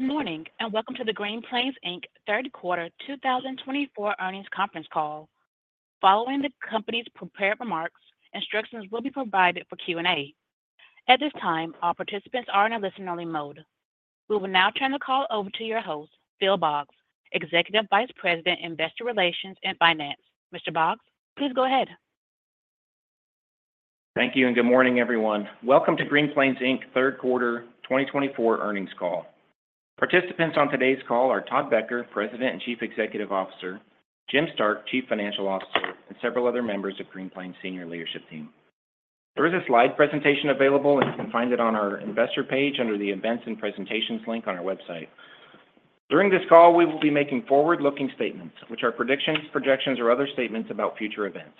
Good morning and welcome to the Green Plains Inc. Third Quarter 2024 Earnings Conference Call. Following the company's prepared remarks, instructions will be provided for Q&A. At this time, all participants are in a listen-only mode. We will now turn the call over to your host, Phil Boggs, Executive Vice President, Investor Relations and Finance. Mr. Boggs, please go ahead. Thank you and good morning, everyone. Welcome to Green Plains Inc. Third Quarter 2024 Earnings Call. Participants on today's call are Todd Becker, President and Chief Executive Officer, Jim Stark, Chief Financial Officer, and several other members of Green Plains' senior leadership team. There is a slide presentation available, and you can find it on our investor page under the Events and Presentations link on our website. During this call, we will be making forward-looking statements, which are predictions, projections, or other statements about future events.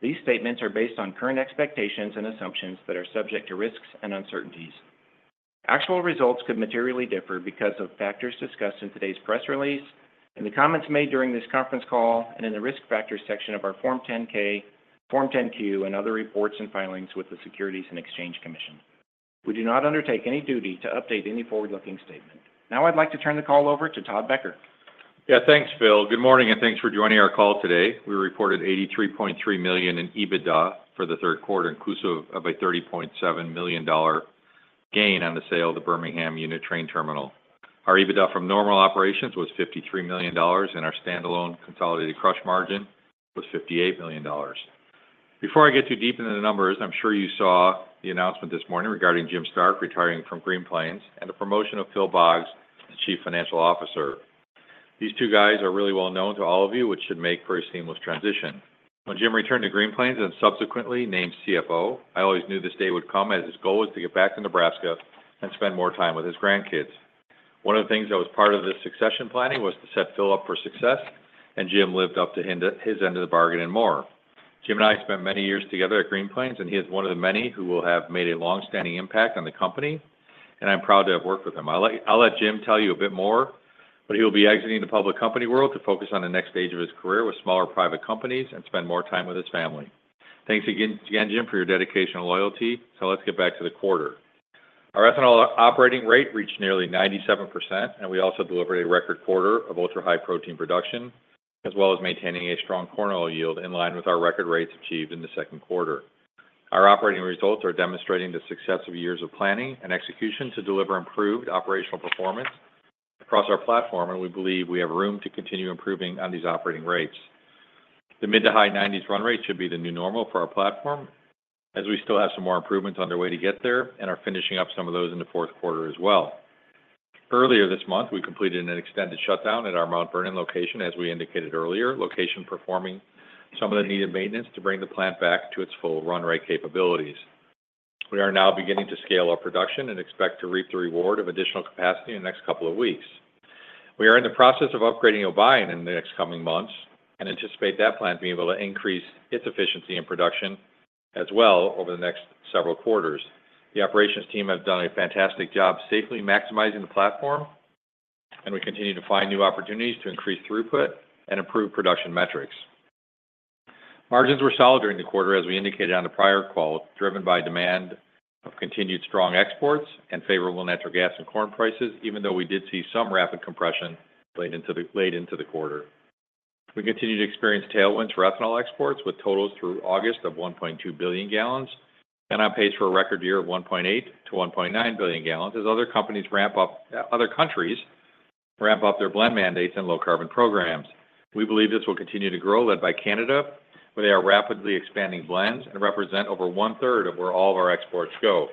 These statements are based on current expectations and assumptions that are subject to risks and uncertainties. Actual results could materially differ because of factors discussed in today's press release, in the comments made during this conference call, and in the risk factors section of our Form 10-K, Form 10-Q, and other reports and filings with the Securities and Exchange Commission. We do not undertake any duty to update any forward-looking statement. Now I'd like to turn the call over to Todd Becker. Yeah, thanks, Phil. Good morning and thanks for joining our call today. We reported $83.3 million in EBITDA for the third quarter, inclusive of a $30.7 million gain on the sale of the Birmingham Unit Train Terminal. Our EBITDA from normal operations was $53 million, and our standalone consolidated crush margin was $58 million. Before I get too deep into the numbers, I'm sure you saw the announcement this morning regarding Jim Stark retiring from Green Plains and the promotion of Phil Boggs as Chief Financial Officer. These two guys are really well known to all of you, which should make for a seamless transition. When Jim returned to Green Plains and subsequently named CFO, I always knew this day would come as his goal was to get back to Nebraska and spend more time with his grandkids. One of the things that was part of this succession planning was to set Phil up for success, and Jim lived up to his end of the bargain and more. Jim and I spent many years together at Green Plains, and he is one of the many who will have made a long-standing impact on the company, and I'm proud to have worked with him. I'll let Jim tell you a bit more, but he will be exiting the public company world to focus on the next stage of his career with smaller private companies and spend more time with his family. Thanks again, Jim, for your dedication and loyalty, so let's get back to the quarter. Our ethanol operating rate reached nearly 97%, and we also delivered a record quarter of ultra-high protein production, as well as maintaining a strong corn oil yield in line with our record rates achieved in the second quarter. Our operating results are demonstrating the success of years of planning and execution to deliver improved operational performance across our platform, and we believe we have room to continue improving on these operating rates. The mid- to high-90s run rate should be the new normal for our platform, as we still have some more improvements underway to get there and are finishing up some of those in the fourth quarter as well. Earlier this month, we completed an extended shutdown at our Mount Vernon location, as we indicated earlier, performing some of the needed maintenance to bring the plant back to its full run rate capabilities. We are now beginning to scale our production and expect to reap the reward of additional capacity in the next couple of weeks. We are in the process of upgrading Obion in the next coming months and anticipate that plant being able to increase its efficiency in production as well over the next several quarters. The operations team have done a fantastic job safely maximizing the platform, and we continue to find new opportunities to increase throughput and improve production metrics. Margins were solid during the quarter, as we indicated on the prior call, driven by demand of continued strong exports and favorable natural gas and corn prices, even though we did see some rapid compression laid into the quarter. We continue to experience tailwinds for ethanol exports with totals through August of 1.2 billion gallons and on pace for a record year of 1.8-1.9 billion gallons as other countries ramp up their blend mandates and low-carbon programs. We believe this will continue to grow, led by Canada, where they are rapidly expanding blends and represent over one-third of where all of our exports go.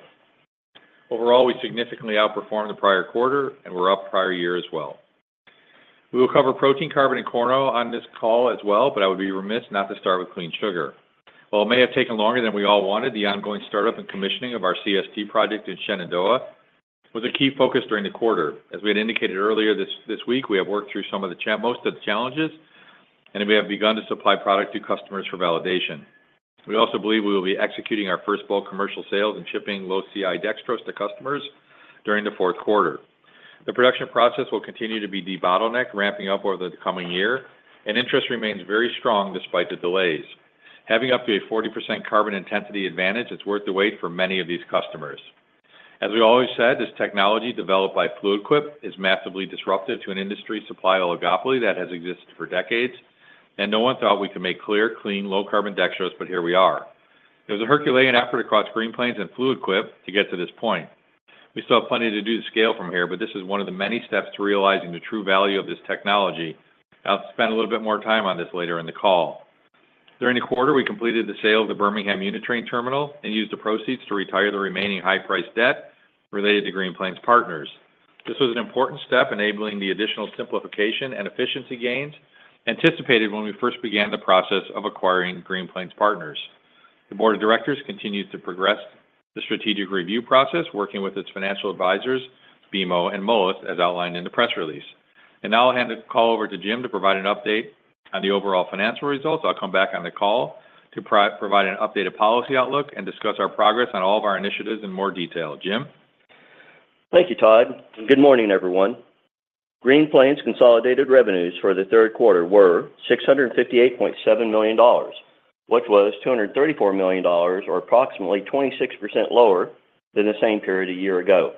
Overall, we significantly outperformed the prior quarter and were up prior year as well. We will cover protein, carbon, and corn oil on this call as well, but I would be remiss not to start with clean sugar. While it may have taken longer than we all wanted, the ongoing startup and commissioning of our CST project in Shenandoah was a key focus during the quarter. As we had indicated earlier this week, we have worked through most of the challenges, and we have begun to supply product to customers for validation. We also believe we will be executing our first bulk commercial sales and shipping low-CI dextrose to customers during the fourth quarter. The production process will continue to be the bottleneck, ramping up over the coming year, and interest remains very strong despite the delays. Having up to a 40% carbon intensity advantage, it's worth the wait for many of these customers. As we always said, this technology developed by Fluid Quip is massively disruptive to an industry supply oligopoly that has existed for decades, and no one thought we could make clear, clean, low-carbon dextrose, but here we are. It was a Herculean effort across Green Plains and Fluid Quip to get to this point. We still have plenty to do to scale from here, but this is one of the many steps to realizing the true value of this technology. I'll spend a little bit more time on this later in the call. During the quarter, we completed the sale of the Birmingham Unit Train Terminal and used the proceeds to retire the remaining high-priced debt related to Green Plains Partners. This was an important step, enabling the additional simplification and efficiency gains anticipated when we first began the process of acquiring Green Plains Partners. The board of directors continues to progress the strategic review process, working with its financial advisors, BMO and Moelis, as outlined in the press release, and now I'll hand the call over to Jim to provide an update on the overall financial results. I'll come back on the call to provide an updated policy outlook and discuss our progress on all of our initiatives in more detail. Jim? Thank you, Todd. Good morning, everyone. Green Plains' consolidated revenues for the third quarter were $658.7 million, which was $234 million, or approximately 26% lower than the same period a year ago.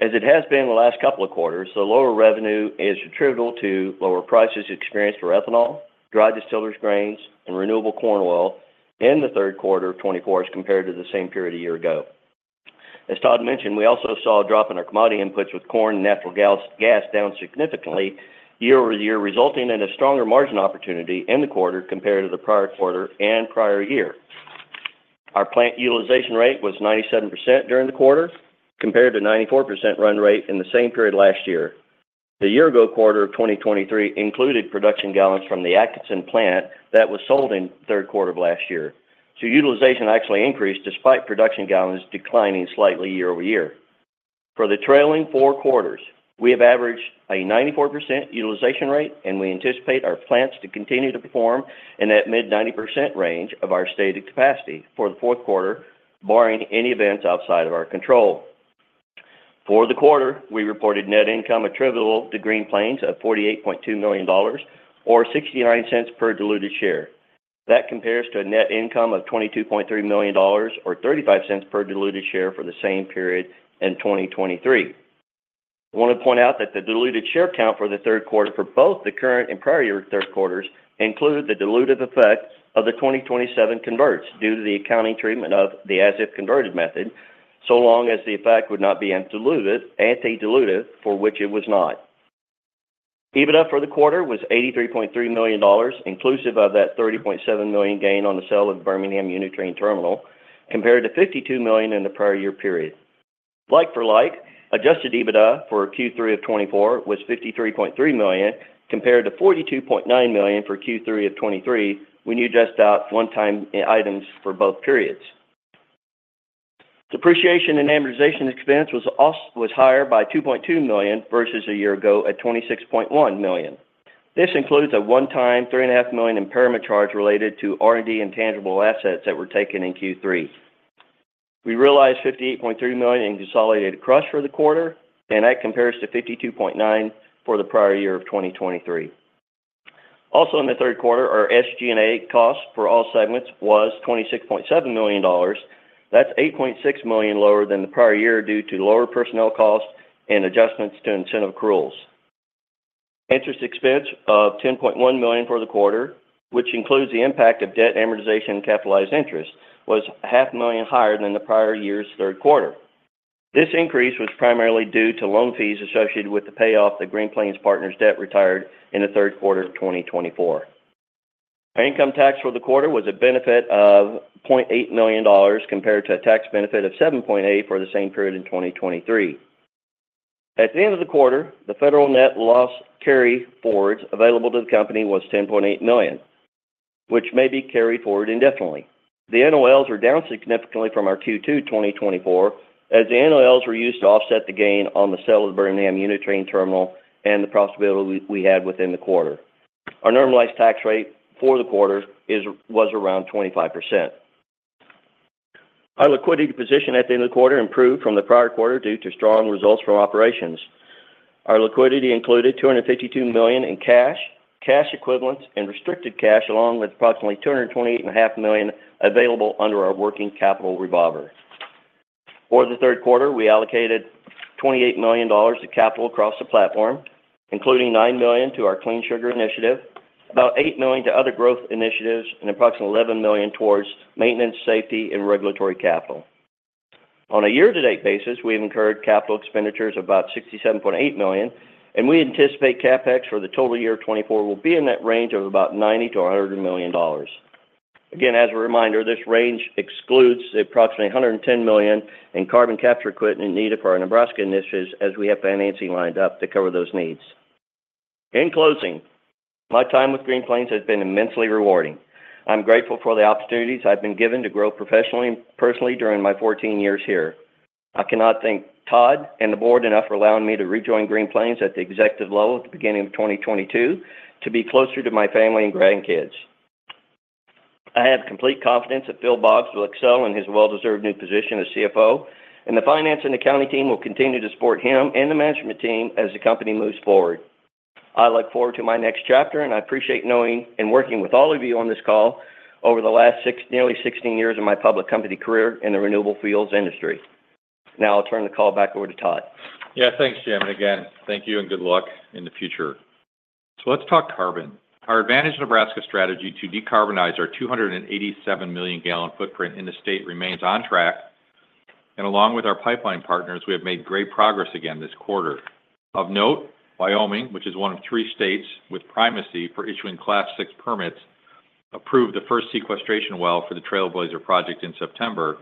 As it has been in the last couple of quarters, the lower revenue is attributable to lower prices experienced for ethanol, dry distillers grains, and renewable corn oil in the third quarter of 2024 as compared to the same period a year ago. As Todd mentioned, we also saw a drop in our commodity inputs with corn and natural gas down significantly year over year, resulting in a stronger margin opportunity in the quarter compared to the prior quarter and prior year. Our plant utilization rate was 97% during the quarter compared to a 94% run rate in the same period last year. The year-ago quarter of 2023 included production gallons from the Atkinson plant that was sold in the third quarter of last year. So utilization actually increased despite production gallons declining slightly year over year. For the trailing four quarters, we have averaged a 94% utilization rate, and we anticipate our plants to continue to perform in that mid-90% range of our stated capacity for the fourth quarter, barring any events outside of our control. For the quarter, we reported net income attributable to Green Plains of $48.2 million, or $0.69 per diluted share. That compares to a net income of $22.3 million, or $0.35 per diluted share for the same period in 2023. I want to point out that the diluted share count for the third quarter for both the current and prior year third quarters includes the dilutive effect of the 2027 converts due to the accounting treatment of the as-if converted method, so long as the effect would not be anti-dilutive, for which it was not. EBITDA for the quarter was $83.3 million, inclusive of that $30.7 million gain on the sale of Birmingham Unit Train Terminal, compared to $52 million in the prior year period. Like for like, adjusted EBITDA for Q3 of 2024 was $53.3 million, compared to $42.9 million for Q3 of 2023 when you adjust out one-time items for both periods. Depreciation and amortization expense was higher by $2.2 million versus a year ago at $26.1 million. This includes a one-time $3.5 million impairment charge related to R&D intangible assets that were taken in Q3. We realized $58.3 million in consolidated crush for the quarter, and that compares to $52.9 million for the prior year of 2023. Also, in the third quarter, our SG&A cost for all segments was $26.7 million. That's $8.6 million lower than the prior year due to lower personnel costs and adjustments to incentive accruals. Interest expense of $10.1 million for the quarter, which includes the impact of debt amortization and capitalized interest, was $500,000 higher than the prior year's third quarter. This increase was primarily due to loan fees associated with the payoff that Green Plains Partners debt retired in the third quarter of 2024. Our income tax for the quarter was a benefit of $0.8 million compared to a tax benefit of $7.8 million for the same period in 2023. At the end of the quarter, the federal net loss carry forwards available to the company was $10.8 million, which may be carried forward indefinitely. The NOLs were down significantly from our Q2 2024, as the NOLs were used to offset the gain on the sale of the Birmingham Unit Train Terminal and the profitability we had within the quarter. Our normalized tax rate for the quarter was around 25%. Our liquidity position at the end of the quarter improved from the prior quarter due to strong results from operations. Our liquidity included $252 million in cash, cash equivalents, and restricted cash, along with approximately $228.5 million available under our working capital revolver. For the third quarter, we allocated $28 million to capital across the platform, including $9 million to our clean sugar initiative, about $8 million to other growth initiatives, and approximately $11 million towards maintenance, safety, and regulatory capital. On a year-to-date basis, we have incurred capital expenditures of about $67.8 million, and we anticipate CapEx for the total year of 2024 will be in that range of about $90-$100 million. Again, as a reminder, this range excludes approximately $110 million in carbon capture equipment needed for our Nebraska initiatives, as we have financing lined up to cover those needs. In closing, my time with Green Plains has been immensely rewarding. I'm grateful for the opportunities I've been given to grow professionally and personally during my 14 years here. I cannot thank Todd and the board enough for allowing me to rejoin Green Plains at the executive level at the beginning of 2022 to be closer to my family and grandkids. I have complete confidence that Phil Boggs will excel in his well-deserved new position as CFO, and the finance and accounting team will continue to support him and the management team as the company moves forward. I look forward to my next chapter, and I appreciate knowing and working with all of you on this call over the last nearly 16 years of my public company career in the renewable fuels industry. Now I'll turn the call back over to Todd. Yeah, thanks, Jim. And again, thank you and good luck in the future. So let's talk carbon. Our Advantage Nebraska strategy to decarbonize our 287 million gallon footprint in the state remains on track, and along with our pipeline partners, we have made great progress again this quarter. Of note, Wyoming, which is one of three states with primacy for issuing Class VI permits, approved the first sequestration well for the Trailblazer project in September,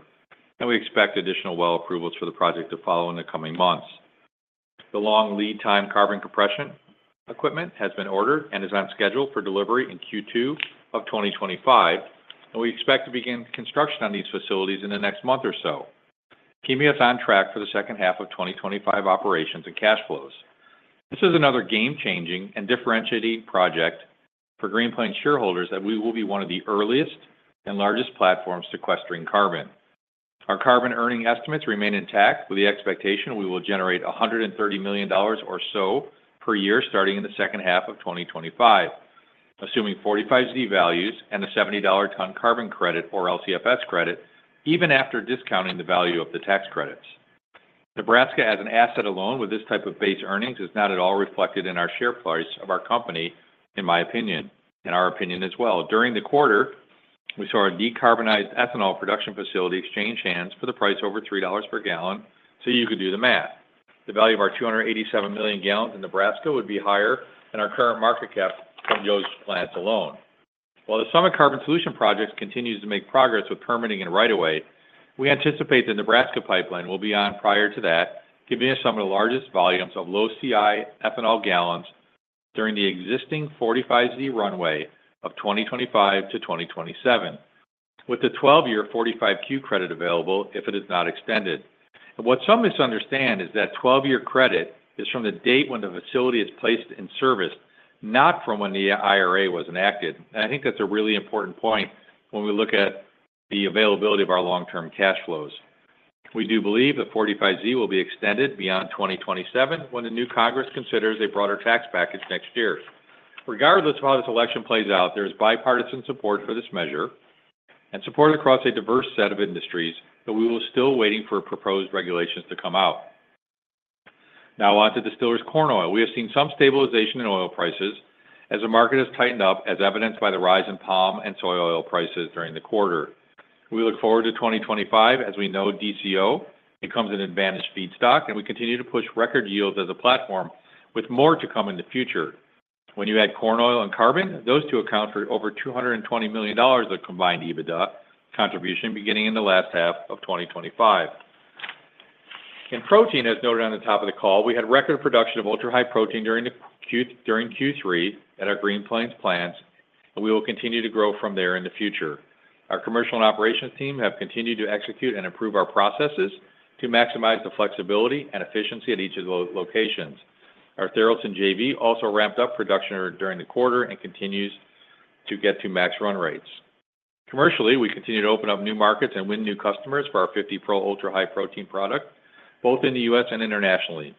and we expect additional well approvals for the project to follow in the coming months. The long lead-time carbon compression equipment has been ordered and is on schedule for delivery in Q2 of 2025, and we expect to begin construction on these facilities in the next month or so. The initiative is on track for the second half of 2025 operations and cash flows. This is another game-changing and differentiating project for Green Plains shareholders that we will be one of the earliest and largest platforms sequestering carbon. Our carbon earning estimates remain intact, with the expectation we will generate $130 million or so per year starting in the second half of 2025, assuming 45Z values and a $70/ton carbon credit or LCFS credit, even after discounting the value of the tax credits. Nebraska, as an asset alone with this type of base earnings, is not at all reflected in our share price of our company, in my opinion, in our opinion as well. During the quarter, we saw our decarbonized ethanol production facility exchange hands for the price over $3 per gallon, so you could do the math. The value of our 287 million gallons in Nebraska would be higher than our current market cap from those plants alone. While the Summit Carbon Solutions project continues to make progress with permitting and right-of-way, we anticipate the Nebraska pipeline will be online prior to that, giving us some of the largest volumes of low-CI ethanol gallons during the existing 45Z runway of 2025-2027, with the 12-year 45Q credit available if it is not extended. And what some misunderstand is that 12-year credit is from the date when the facility is placed in service, not from when the IRA was enacted. And I think that's a really important point when we look at the availability of our long-term cash flows. We do believe that 45Z will be extended beyond 2027 when the new Congress considers a broader tax package next year. Regardless of how this election plays out, there is bipartisan support for this measure and support across a diverse set of industries, but we will still be waiting for proposed regulations to come out. Now, on to distillers' corn oil. We have seen some stabilization in oil prices as the market has tightened up, as evidenced by the rise in palm and soy oil prices during the quarter. We look forward to 2025 as we know DCO becomes an advantaged feedstock, and we continue to push record yields as a platform with more to come in the future. When you add corn oil and carbon, those two account for over $220 million of combined EBITDA contribution beginning in the last half of 2025. In protein, as noted on the top of the call, we had record production of ultra-high protein during Q3 at our Green Plains plants, and we will continue to grow from there in the future. Our commercial and operations team have continued to execute and improve our processes to maximize the flexibility and efficiency at each of the locations. Our Tharaldson JV also ramped up production during the quarter and continues to get to max run rates. Commercially, we continue to open up new markets and win new customers for our 50 Pro ultra-high protein product, both in the U.S. and internationally.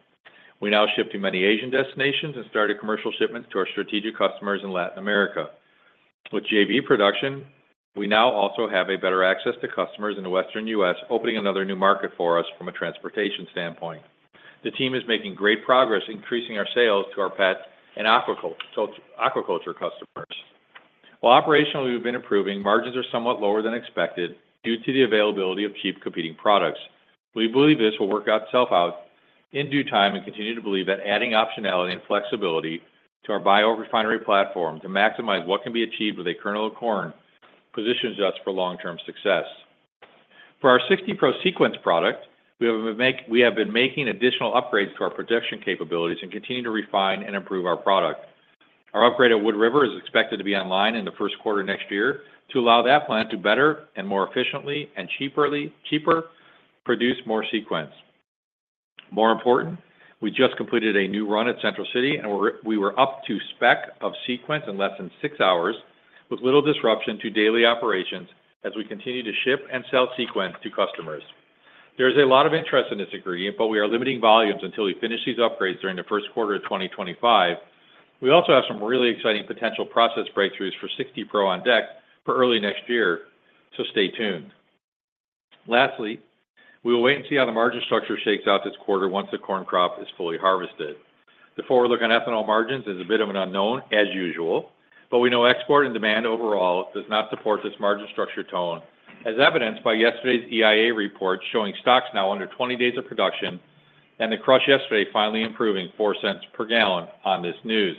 We now ship to many Asian destinations and started commercial shipments to our strategic customers in Latin America. With J.V. production, we now also have better access to customers in the Western U.S., opening another new market for us from a transportation standpoint. The team is making great progress, increasing our sales to our pet and aquaculture customers. While operationally, we've been improving, margins are somewhat lower than expected due to the availability of cheap competing products. We believe this will work itself out in due time and continue to believe that adding optionality and flexibility to our bio-refinery platform to maximize what can be achieved with a kernel of corn positions us for long-term success. For our 60 Pro Sequence product, we have been making additional upgrades to our production capabilities and continue to refine and improve our product. Our upgrade at Wood River is expected to be online in the first quarter next year to allow that plant to better and more efficiently and cheaper produce more Sequence. More important, we just completed a new run at Central City, and we were up to spec of Sequence in less than six hours with little disruption to daily operations as we continue to ship and sell Sequence to customers. There is a lot of interest in this ingredient, but we are limiting volumes until we finish these upgrades during the first quarter of 2025. We also have some really exciting potential process breakthroughs for 60 Pro on deck for early next year, so stay tuned. Lastly, we will wait and see how the margin structure shakes out this quarter once the corn crop is fully harvested. The forward look on ethanol margins is a bit of an unknown, as usual, but we know export and demand overall does not support this margin structure tone, as evidenced by yesterday's EIA report showing stocks now under 20 days of production and the crush yesterday finally improving $0.04 per gallon on this news.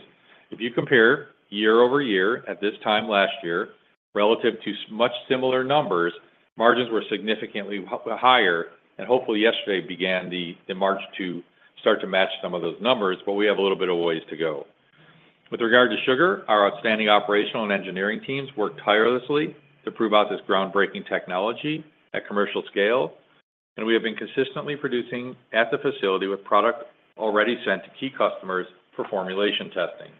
If you compare year over year at this time last year relative to much similar numbers, margins were significantly higher, and hopefully yesterday began the march to start to match some of those numbers, but we have a little bit of ways to go. With regard to sugar, our outstanding operational and engineering teams worked tirelessly to prove out this groundbreaking technology at commercial scale, and we have been consistently producing at the facility with product already sent to key customers for formulation testing.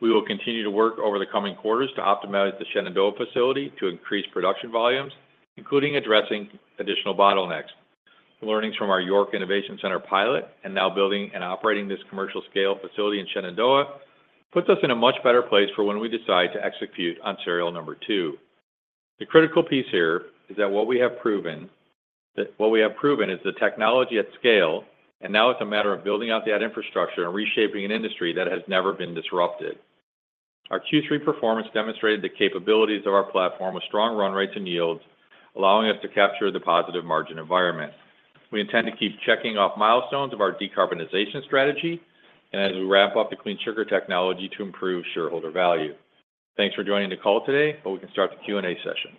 We will continue to work over the coming quarters to optimize the Shenandoah facility to increase production volumes, including addressing additional bottlenecks. Learnings from our York Innovation Center pilot and now building and operating this commercial-scale facility in Shenandoah puts us in a much better place for when we decide to execute on serial number two. The critical piece here is that what we have proven is the technology at scale, and now it's a matter of building out that infrastructure and reshaping an industry that has never been disrupted. Our Q3 performance demonstrated the capabilities of our platform with strong run rates and yields, allowing us to capture the positive margin environment. We intend to keep checking off milestones of our decarbonization strategy and as we ramp up the Clean Sugar Technology to improve shareholder value. Thanks for joining the call today, but we can start the Q&A session.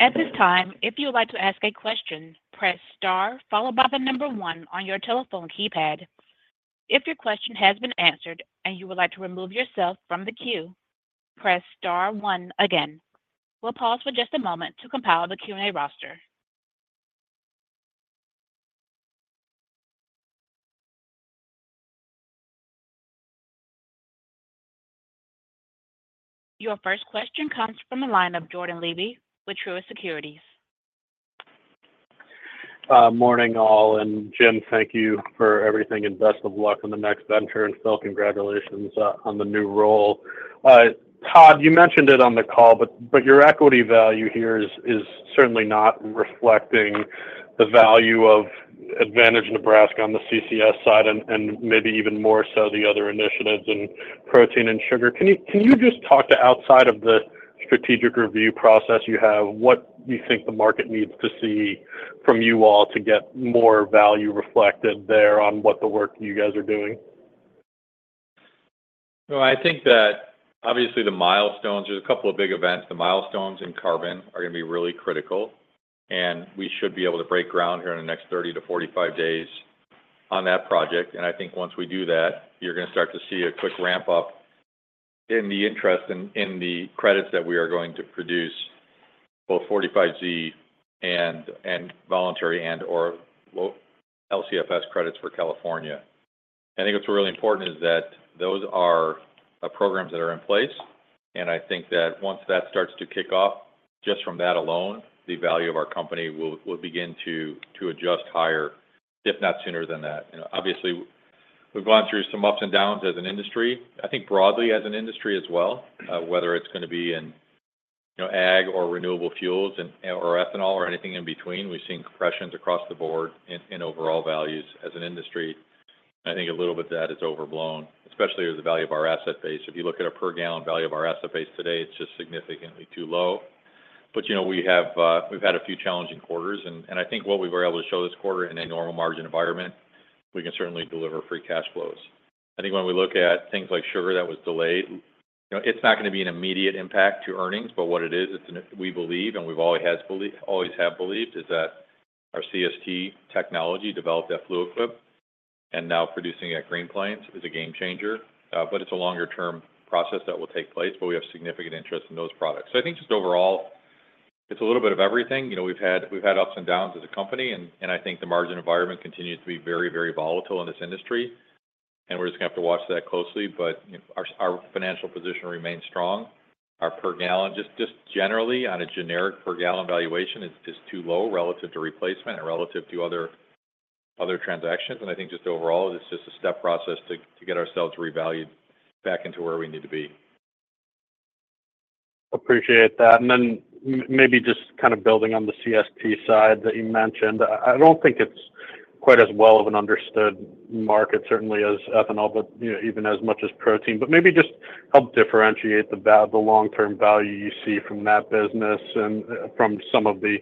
At this time, if you would like to ask a question, press star followed by the number one on your telephone keypad. If your question has been answered and you would like to remove yourself from the queue, press star one again. We'll pause for just a moment to compile the Q&A roster. Your first question comes from the line of Jordan Levy with Truist Securities. Morning all, and Jim, thank you for everything and best of luck on the next venture, and still congratulations on the new role. Todd, you mentioned it on the call, but your equity value here is certainly not reflecting the value of Advantage Nebraska on the CCS side and maybe even more so the other initiatives in protein and sugar. Can you just talk to, outside of the strategic review process you have, what you think the market needs to see from you all to get more value reflected there on what the work you guys are doing? I think that obviously the milestones, there's a couple of big events, the milestones in carbon are going to be really critical, and we should be able to break ground here in the next 30-45 days on that project. And I think once we do that, you're going to start to see a quick ramp-up in the interest and in the credits that we are going to produce, both 45Z and voluntary and/or LCFS credits for California. I think what's really important is that those are programs that are in place, and I think that once that starts to kick off, just from that alone, the value of our company will begin to adjust higher, if not sooner than that. Obviously, we've gone through some ups and downs as an industry. I think broadly as an industry as well, whether it's going to be in ag or renewable fuels or ethanol or anything in between, we've seen compressions across the board in overall values as an industry. I think a little bit of that is overblown, especially as the value of our asset base. If you look at a per-gallon value of our asset base today, it's just significantly too low. But we've had a few challenging quarters, and I think what we were able to show this quarter in a normal margin environment, we can certainly deliver free cash flows. I think when we look at things like sugar that was delayed, it's not going to be an immediate impact to earnings, but what it is, we believe, and we've always believed, is that our CST technology developed at Fluid Quip and now producing at Green Plains is a game changer, but it's a longer-term process that will take place, but we have significant interest in those products, so I think just overall, it's a little bit of everything. We've had ups and downs as a company, and I think the margin environment continues to be very, very volatile in this industry, and we're just going to have to watch that closely, but our financial position remains strong. Our per-gallon, just generally, on a generic per-gallon valuation, is too low relative to replacement and relative to other transactions. I think just overall, it's just a step process to get ourselves revalued back into where we need to be. Appreciate that. And then maybe just kind of building on the CST side that you mentioned, I don't think it's quite as well understood market, certainly as ethanol, but even as much as protein. But maybe just help differentiate the long-term value you see from that business and from some of the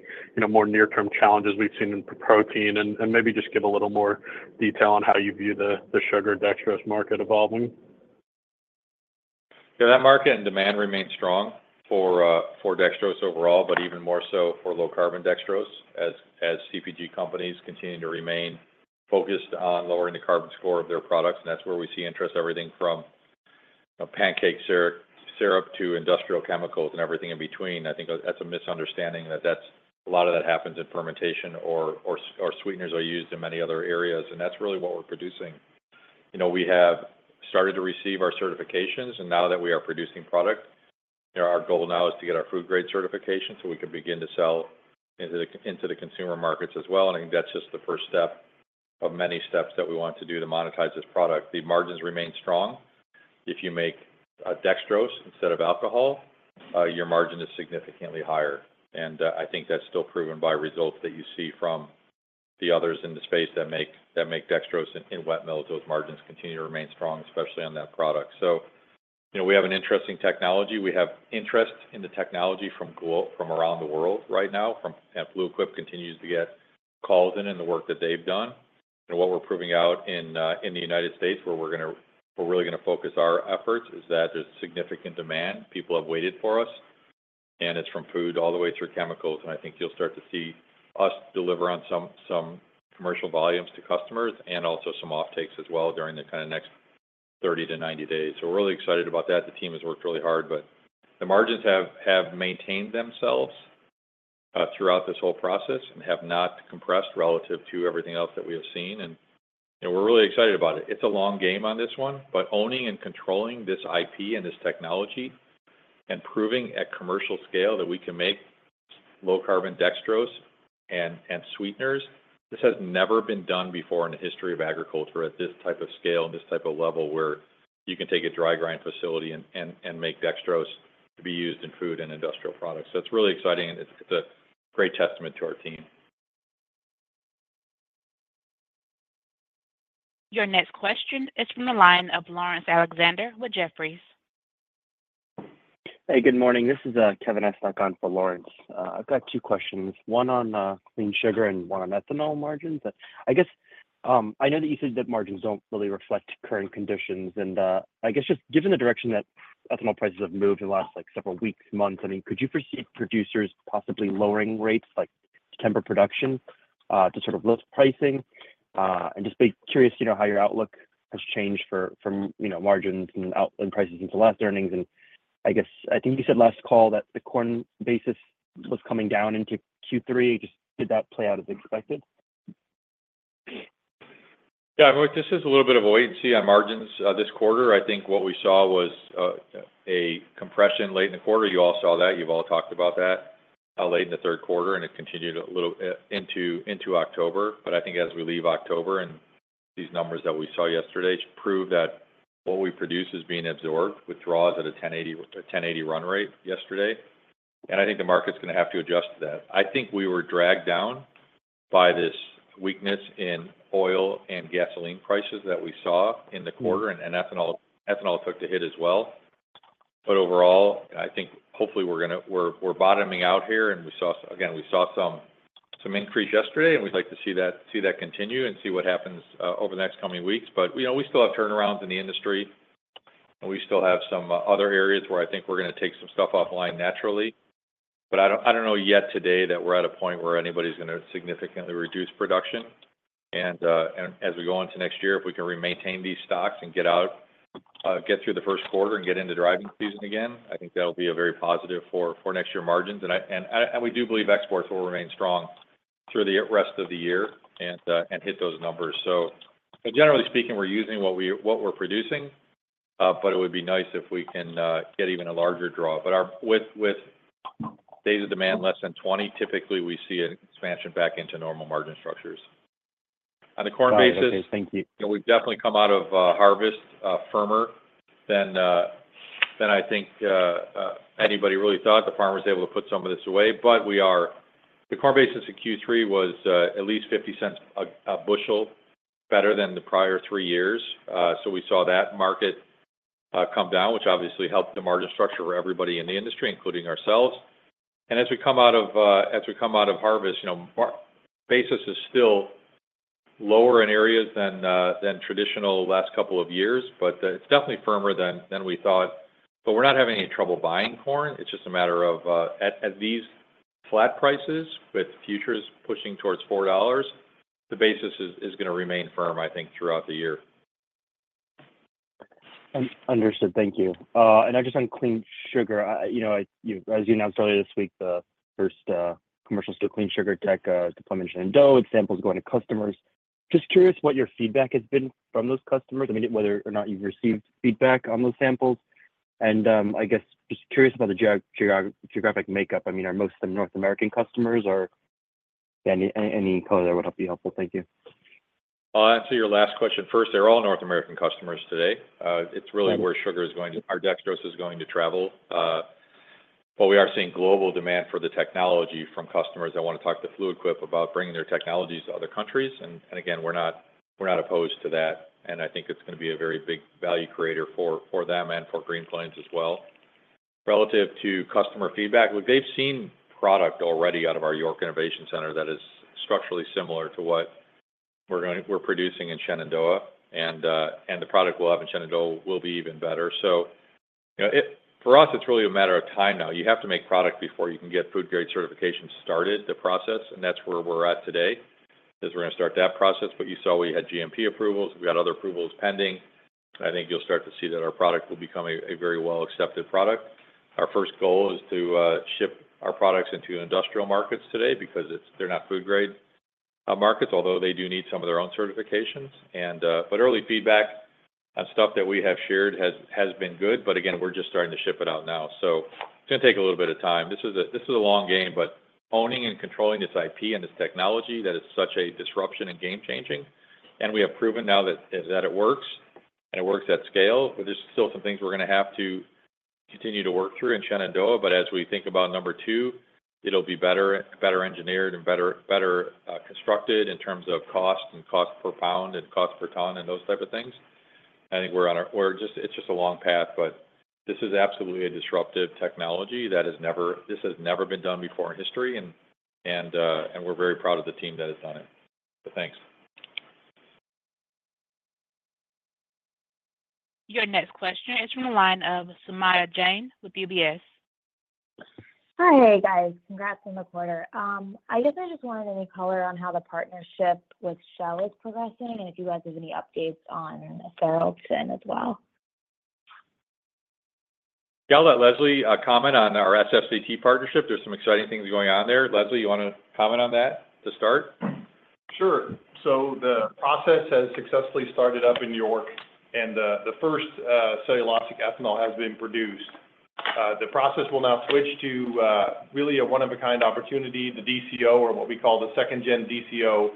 more near-term challenges we've seen in protein, and maybe just give a little more detail on how you view the sugar dextrose market evolving. Yeah, that market and demand remain strong for dextrose overall, but even more so for low-carbon dextrose as CPG companies continue to remain focused on lowering the carbon score of their products. And that's where we see interest, everything from pancake syrup to industrial chemicals and everything in between. I think that's a misunderstanding that a lot of that happens in fermentation or sweeteners are used in many other areas, and that's really what we're producing. We have started to receive our certifications, and now that we are producing product, our goal now is to get our food-grade certification so we can begin to sell into the consumer markets as well. And I think that's just the first step of many steps that we want to do to monetize this product. The margins remain strong. If you make a dextrose instead of alcohol, your margin is significantly higher. And I think that's still proven by results that you see from the others in the space that make dextrose in wet mill. Those margins continue to remain strong, especially on that product. So we have an interesting technology. We have interest in the technology from around the world right now, and Fluid Quip continues to get calls in and the work that they've done. And what we're proving out in the United States, where we're really going to focus our efforts, is that there's significant demand. People have waited for us, and it's from food all the way through chemicals. And I think you'll start to see us deliver on some commercial volumes to customers and also some offtakes as well during the kind of next 30-90 days. So we're really excited about that. The team has worked really hard, but the margins have maintained themselves throughout this whole process and have not compressed relative to everything else that we have seen, and we're really excited about it. It's a long game on this one, but owning and controlling this IP and this technology and proving at commercial scale that we can make low-carbon dextrose and sweeteners. This has never been done before in the history of agriculture at this type of scale and this type of level where you can take a dry grind facility and make dextrose to be used in food and industrial products, so it's really exciting, and it's a great testament to our team. Your next question is from the line of Lawrence Alexander with Jefferies. Hey, good morning. This is Kevin Estok for Lawrence. I've got two questions, one on clean sugar and one on ethanol margins. I guess I know that you said that margins don't really reflect current conditions, and I guess just given the direction that ethanol prices have moved in the last several weeks, months, I mean, could you foresee producers possibly lowering rates like September production to sort of lift pricing? And just be curious how your outlook has changed for margins and prices since the last earnings. And I think you said last call that the corn basis was coming down into Q3. Did that play out as expected? Yeah, I mean, this is a little bit of a wait and see on margins this quarter. I think what we saw was a compression late in the quarter. You all saw that. You've all talked about that late in the third quarter, and it continued into October. But I think as we leave October and these numbers that we saw yesterday prove that what we produce is being absorbed, with draws at a 1080 run rate yesterday. And I think the market's going to have to adjust to that. I think we were dragged down by this weakness in oil and gasoline prices that we saw in the quarter, and ethanol took the hit as well. But overall, I think hopefully we're bottoming out here. And again, we saw some increase yesterday, and we'd like to see that continue and see what happens over the next coming weeks. But we still have turnarounds in the industry, and we still have some other areas where I think we're going to take some stuff offline naturally. But I don't know yet today that we're at a point where anybody's going to significantly reduce production. And as we go into next year, if we can maintain these stocks and get through the first quarter and get into driving season again, I think that'll be very positive for next year's margins. And we do believe exports will remain strong through the rest of the year and hit those numbers. So generally speaking, we're using what we're producing, but it would be nice if we can get even a larger draw. But with days of demand less than 20, typically we see an expansion back into normal margin structures. On the corn basis. Corn basis, thank you. We've definitely come out of harvest firmer than I think anybody really thought. The farmer's able to put some of this away, but the corn basis in Q3 was at least $0.50 a bushel better than the prior three years, so we saw that market come down, which obviously helped the margin structure for everybody in the industry, including ourselves, and as we come out of harvest, basis is still lower in areas than traditional last couple of years, but it's definitely firmer than we thought, but we're not having any trouble buying corn. It's just a matter of at these flat prices with futures pushing towards $4, the basis is going to remain firm, I think, throughout the year. Understood. Thank you. And now just on clean sugar, as you announced earlier this week, the first commercial clean sugar tech deployment in Shenandoah with samples going to customers. Just curious what your feedback has been from those customers, I mean, whether or not you've received feedback on those samples. And I guess just curious about the geographic makeup. I mean, are most of them North American customers or? Any color there would be helpful. Thank you. I'll answer your last question first. They're all North American customers today. It's really where sugar is going to, our dextrose is going to travel, but we are seeing global demand for the technology from customers that want to talk to Fluid Quip about bringing their technologies to other countries, and again, we're not opposed to that, and I think it's going to be a very big value creator for them and for Green Plains as well. Relative to customer feedback, they've seen product already out of our York Innovation Center that is structurally similar to what we're producing in Shenandoah, and the product we'll have in Shenandoah will be even better, so for us, it's really a matter of time now. You have to make product before you can get food-grade certification started, the process, and that's where we're at today is we're going to start that process. But you saw we had GMP approvals. We got other approvals pending. I think you'll start to see that our product will become a very well-accepted product. Our first goal is to ship our products into industrial markets today because they're not food-grade markets, although they do need some of their own certifications. But early feedback on stuff that we have shared has been good, but again, we're just starting to ship it out now. So it's going to take a little bit of time. This is a long game, but owning and controlling this IP and this technology that is such a disruption and game-changing, and we have proven now that it works and it works at scale, but there's still some things we're going to have to continue to work through in Shenandoah. But as we think about number two, it'll be better engineered and better constructed in terms of cost and cost per pound and cost per ton and those type of things. I think we're on a. It's just a long path, but this is absolutely a disruptive technology that has never been done before in history, and we're very proud of the team that has done it. So thanks. Your next question is from the line of Saumya Jain with UBS. Hi, guys. Congrats on the quarter. I guess I just wanted any color on how the partnership with Shell is progressing and if you guys have any updates on the Tharaldson as well. Yeah, I'll let Leslie comment on our SFCT partnership. There's some exciting things going on there. Leslie, you want to comment on that to start? Sure, so the process has successfully started up in York, and the first cellulosic ethanol has been produced. The process will now switch to really a one-of-a-kind opportunity. The DCO, or what we call the second-gen DCO,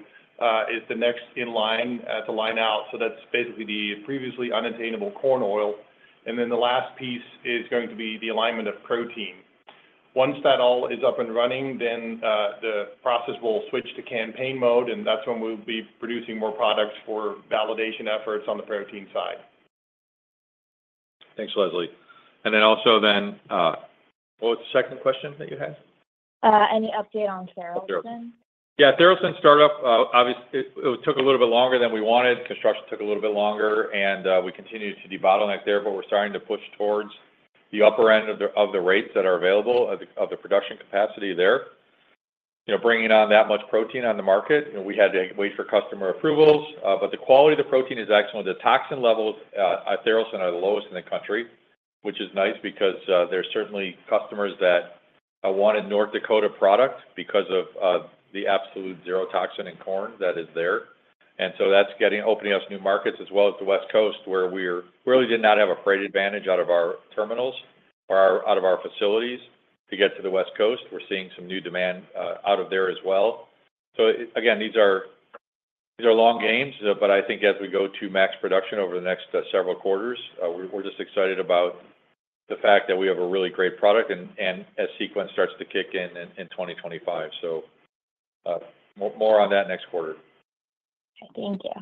is the next in line to line out. So that's basically the previously unattainable corn oil. And then the last piece is going to be the alignment of protein. Once that all is up and running, then the process will switch to campaign mode, and that's when we'll be producing more products for validation efforts on the protein side. Thanks, Leslie. And then also—what was the second question that you had? Any update on Tharaldson? Yeah, Tharaldson startup, obviously, it took a little bit longer than we wanted. Construction took a little bit longer, and we continued to debottleneck there, but we're starting to push towards the upper end of the rates that are available of the production capacity there. Bringing on that much protein on the market, we had to wait for customer approvals. But the quality of the protein is excellent. The toxin levels at Tharaldson are the lowest in the country, which is nice because there's certainly customers that wanted North Dakota product because of the absolute zero toxin in corn that is there. And so that's opening up new markets as well as the West Coast, where we really did not have a freight advantage out of our terminals or out of our facilities to get to the West Coast. We're seeing some new demand out of there as well. So again, these are long games, but I think as we go to max production over the next several quarters, we're just excited about the fact that we have a really great product and as Sequence starts to kick in in 2025. So more on that next quarter. Okay. Thank you.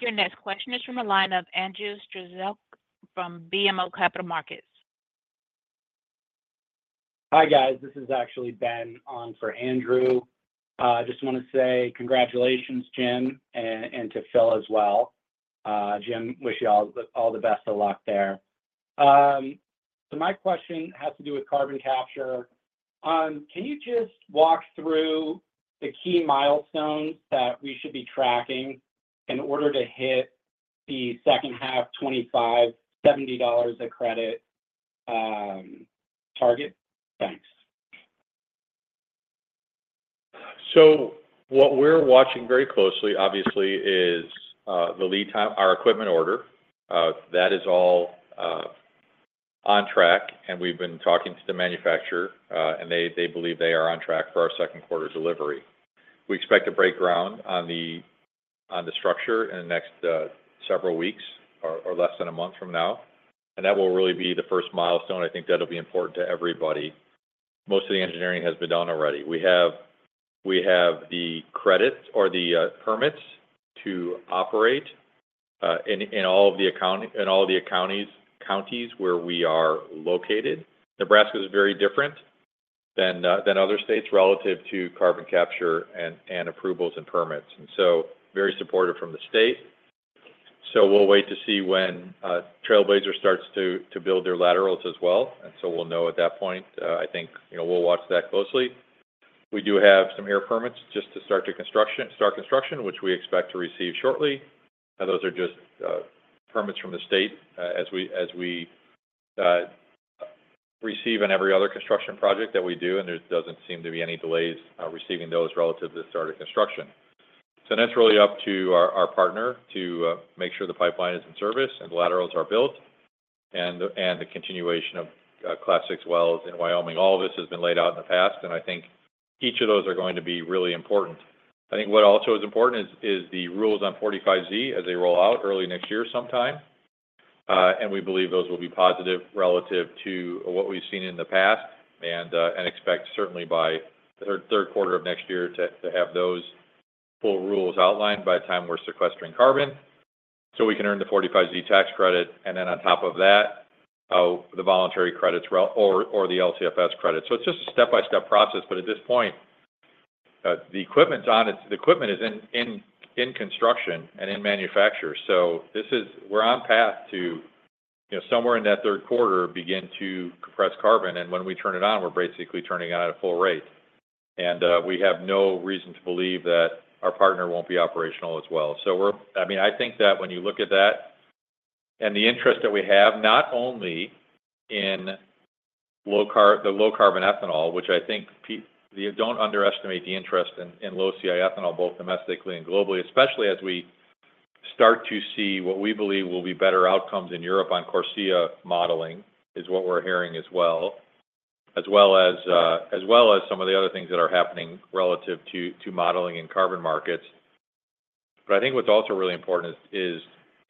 Your next question is from the line of Andrew Strelzik from BMO Capital Markets. Hi, guys. This is actually Ben on for Andrew. I just want to say congratulations, Jim, and to Phil as well. Jim, wish you all the best of luck there. So my question has to do with carbon capture. Can you just walk through the key milestones that we should be tracking in order to hit the second half $25-$70 a credit target? Thanks. So what we're watching very closely, obviously, is the lead time, our equipment order. That is all on track, and we've been talking to the manufacturer, and they believe they are on track for our second quarter delivery. We expect to break ground on the structure in the next several weeks or less than a month from now. And that will really be the first milestone. I think that'll be important to everybody. Most of the engineering has been done already. We have the credit or the permits to operate in all of the counties where we are located. Nebraska is very different than other states relative to carbon capture and approvals and permits. And so very supportive from the state. So we'll wait to see when Trailblazer starts to build their laterals as well. And so we'll know at that point. I think we'll watch that closely. We do have some air permits just to start construction, which we expect to receive shortly. Those are just permits from the state as we receive on every other construction project that we do, and there doesn't seem to be any delays receiving those relative to started construction, so that's really up to our partner to make sure the pipeline is in service and the laterals are built and the construction of Class VI wells in Wyoming. All of this has been laid out in the past, and I think each of those are going to be really important. I think what also is important is the rules on 45Z as they roll out early next year sometime. We believe those will be positive relative to what we've seen in the past and expect certainly by the third quarter of next year to have those full rules outlined by the time we're sequestering carbon so we can earn the 45Z tax credit. Then on top of that, the voluntary credits or the LCFS credit. It's just a step-by-step process, but at this point, the equipment is in construction and in manufacture. We're on track to somewhere in that third quarter begin to capture carbon. When we turn it on, we're basically turning on at a full rate. We have no reason to believe that our partner won't be operational as well. So I mean, I think that when you look at that and the interest that we have, not only in the low carbon ethanol, which I think don't underestimate the interest in low CI ethanol, both domestically and globally, especially as we start to see what we believe will be better outcomes in Europe on CORSIA modeling is what we're hearing as well, as well as some of the other things that are happening relative to modeling in carbon markets. But I think what's also really important is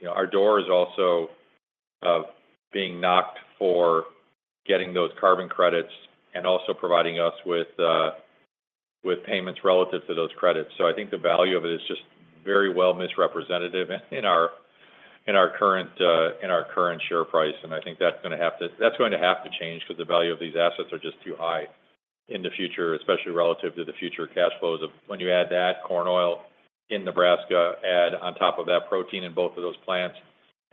our door is also being knocked for getting those carbon credits and also providing us with payments relative to those credits. So I think the value of it is just very well misrepresented in our current share price. I think that's going to have to change because the value of these assets are just too high in the future, especially relative to the future cash flows of when you add that corn oil in Nebraska, add on top of that protein in both of those plants,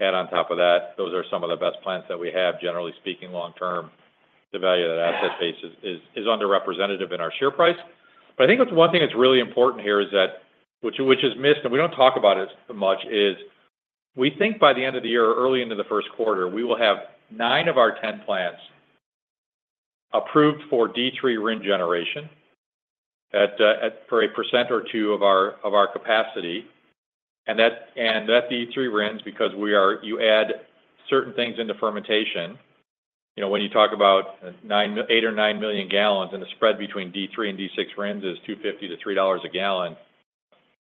add on top of that, those are some of the best plants that we have, generally speaking, long term. The value of that asset base is underrepresented in our share price. But I think one thing that's really important here is that which is missed, and we don't talk about it much, is we think by the end of the year, early into the first quarter, we will have nine of our 10 plants approved for D3 RIN generation for 1% or 2% of our capacity. That D3 RINs, because you add certain things into fermentation, when you talk about eight or nine million gallons and the spread between D3 and D6 RINs is $2.50-$3 a gallon,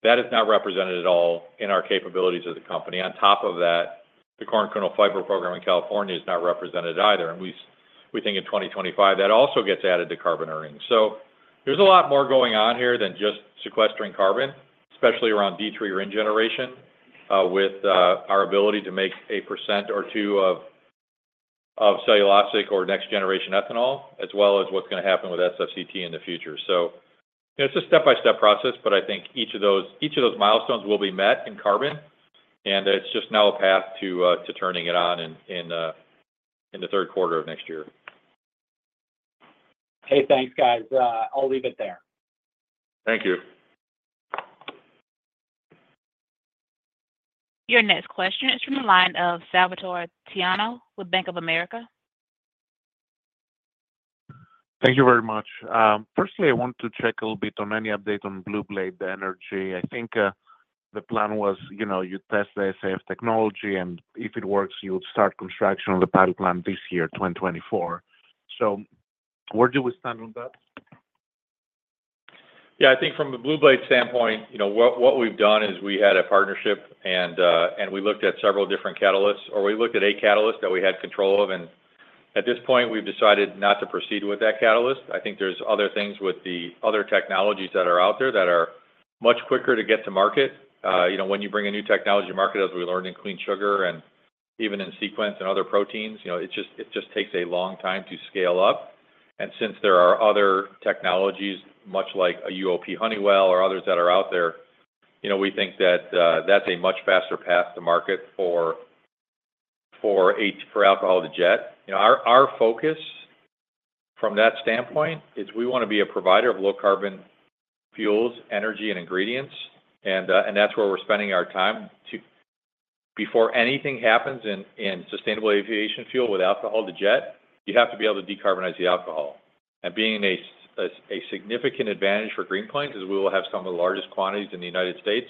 that is not represented at all in our capabilities as a company. On top of that, the corn kernel fiber program in California is not represented either. We think in 2025, that also gets added to carbon earnings. There's a lot more going on here than just sequestering carbon, especially around D3 RIN generation with our ability to make 1% or 2% of cellulosic or next-generation ethanol, as well as what's going to happen with SFCT in the future. It's a step-by-step process, but I think each of those milestones will be met in carbon, and it's just now a path to turning it on in the third quarter of next year. Hey, thanks, guys. I'll leave it there. Thank you. Your next question is from the line of Salvator Tiano with Bank of America. Thank you very much. Firstly, I want to check a little bit on any update on Blue Blade Energy. I think the plan was you test the SAF technology, and if it works, you would start construction on the pilot plant this year, 2024. So where do we stand on that? Yeah, I think from the Blue Blade standpoint, what we've done is we had a partnership, and we looked at several different catalysts, or we looked at a catalyst that we had control of. And at this point, we've decided not to proceed with that catalyst. I think there's other things with the other technologies that are out there that are much quicker to get to market. When you bring a new technology to market, as we learned in clean sugar and even in Sequence and other proteins, it just takes a long time to scale up. And since there are other technologies, much like a Honeywell UOP or others that are out there, we think that that's a much faster path to market for alcohol-to-jet. Our focus from that standpoint is we want to be a provider of low-carbon fuels, energy, and ingredients. And that's where we're spending our time. Before anything happens in sustainable aviation fuel with alcohol-to-jet, you have to be able to decarbonize the alcohol. And being a significant advantage for Green Plains is we will have some of the largest quantities in the United States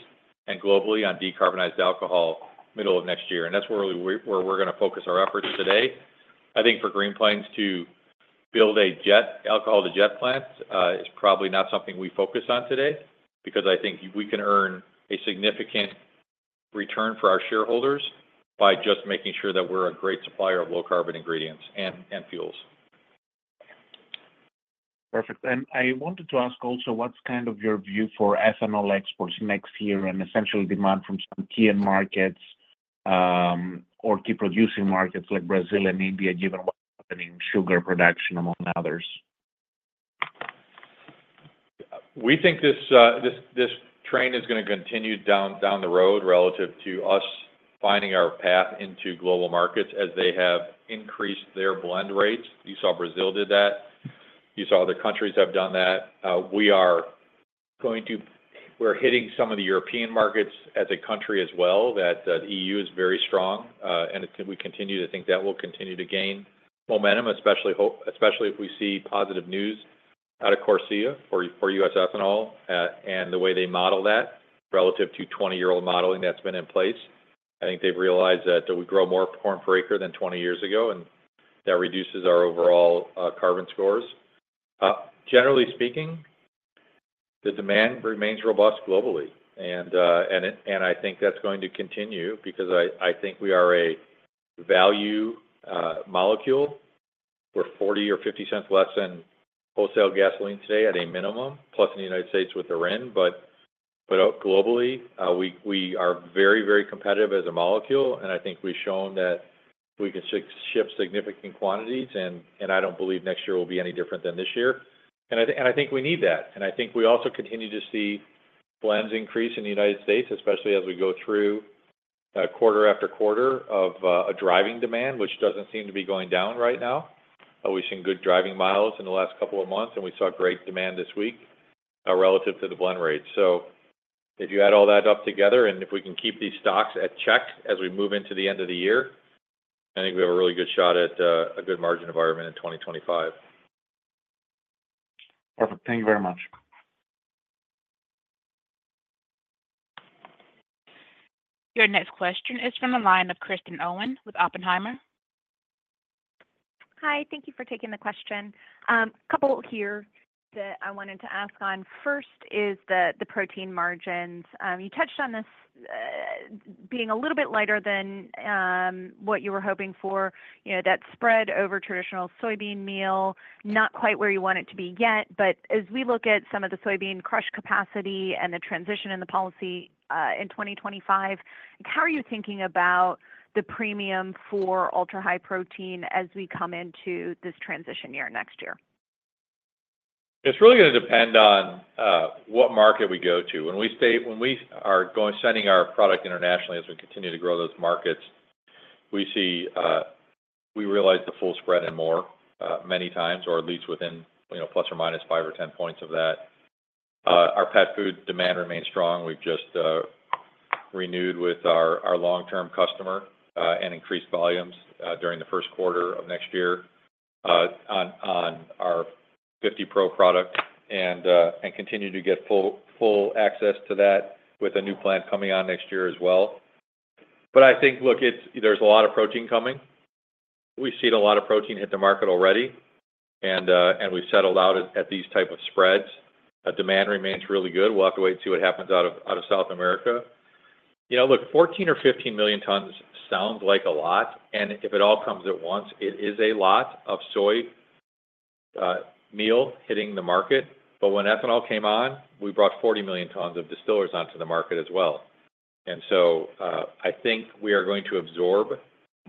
and globally on decarbonized alcohol middle of next year. And that's where we're going to focus our efforts today. I think for Green Plains to build an alcohol-to-jet plant is probably not something we focus on today because I think we can earn a significant return for our shareholders by just making sure that we're a great supplier of low carbon ingredients and fuels. Perfect. And I wanted to ask also what's kind of your view for ethanol exports next year and essentially demand from some key markets or key producing markets like Brazil and India, given what's happening in sugar production, among others? We think this train is going to continue down the road relative to us finding our path into global markets as they have increased their blend rates. You saw Brazil did that. You saw other countries have done that. We are going to—we're hitting some of the European markets as a country as well. The EU is very strong, and we continue to think that will continue to gain momentum, especially if we see positive news out of CORSIA for U.S. ethanol and the way they model that relative to 20-year-old modeling that's been in place. I think they've realized that we grow more corn per acre than 20 years ago, and that reduces our overall carbon scores. Generally speaking, the demand remains robust globally, and I think that's going to continue because I think we are a value molecule. We're $0.40-$0.50 less than wholesale gasoline today at a minimum, plus in the United States with the RIN, but globally, we are very, very competitive as a molecule, and I think we've shown that we can ship significant quantities, and I don't believe next year will be any different than this year, and I think we need that, and I think we also continue to see blends increase in the United States, especially as we go through quarter after quarter of a driving demand, which doesn't seem to be going down right now. We've seen good driving miles in the last couple of months, and we saw great demand this week relative to the blend rates. If you add all that up together, and if we can keep these stocks in check as we move into the end of the year, I think we have a really good shot at a good margin environment in 2025. Perfect. Thank you very much. Your next question is from the line of Kristin Owen with Oppenheimer. Hi. Thank you for taking the question. A couple here that I wanted to ask on. First is the protein margins. You touched on this being a little bit lighter than what you were hoping for. That spread over traditional soybean meal, not quite where you want it to be yet. But as we look at some of the soybean crush capacity and the transition in the policy in 2025, how are you thinking about the premium for ultra-high protein as we come into this transition year next year? It's really going to depend on what market we go to. When we are sending our product internationally, as we continue to grow those markets, we realize the full spread and more many times, or at least within plus or minus 5 or 10 points of that. Our pet food demand remains strong. We've just renewed with our long-term customer and increased volumes during the first quarter of next year on our 50 Pro product and continue to get full access to that with a new plant coming on next year as well. But I think, look, there's a lot of protein coming. We've seen a lot of protein hit the market already, and we've settled out at these types of spreads. Demand remains really good. We'll have to wait and see what happens out of South America. Look, 14 or 15 million tons sounds like a lot. If it all comes at once, it is a lot of soy meal hitting the market. But when ethanol came on, we brought 40 million tons of distillers onto the market as well. And so I think we are going to absorb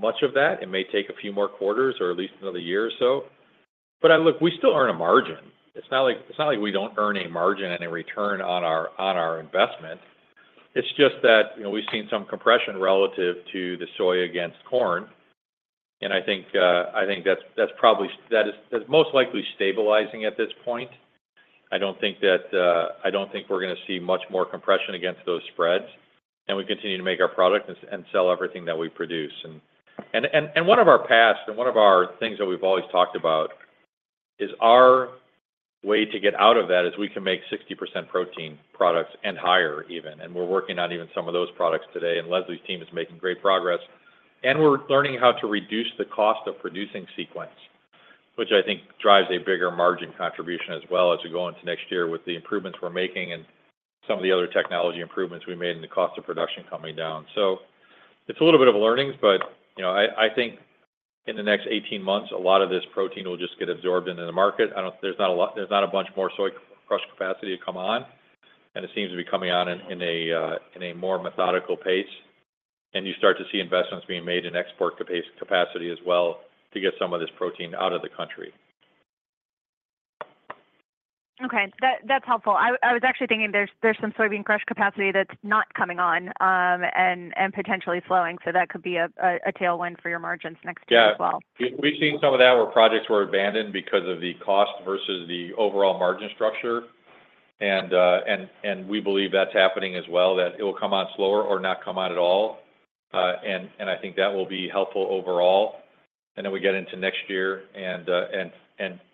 much of that. It may take a few more quarters or at least another year or so. But look, we still earn a margin. It's not like we don't earn a margin and a return on our investment. It's just that we've seen some compression relative to the soy against corn. And I think that's probably most likely stabilizing at this point. I don't think we're going to see much more compression against those spreads. And we continue to make our product and sell everything that we produce. And one of our past and one of our things that we've always talked about is our way to get out of that. We can make 60% protein products and higher, even. And we're working on even some of those products today. And Leslie's team is making great progress. And we're learning how to reduce the cost of producing Sequence, which I think drives a bigger margin contribution as well as we go into next year with the improvements we're making and some of the other technology improvements we made and the cost of production coming down. So it's a little bit of learnings, but I think in the next 18 months, a lot of this protein will just get absorbed into the market. There's not a bunch more soy crush capacity to come on. And it seems to be coming on in a more methodical pace. You start to see investments being made in export capacity as well to get some of this protein out of the country. Okay. That's helpful. I was actually thinking there's some soybean crush capacity that's not coming on and potentially slowing. So that could be a tailwind for your margins next year as well. Yeah. We've seen some of that where projects were abandoned because of the cost versus the overall margin structure. And we believe that's happening as well, that it will come on slower or not come on at all. And I think that will be helpful overall. And then we get into next year and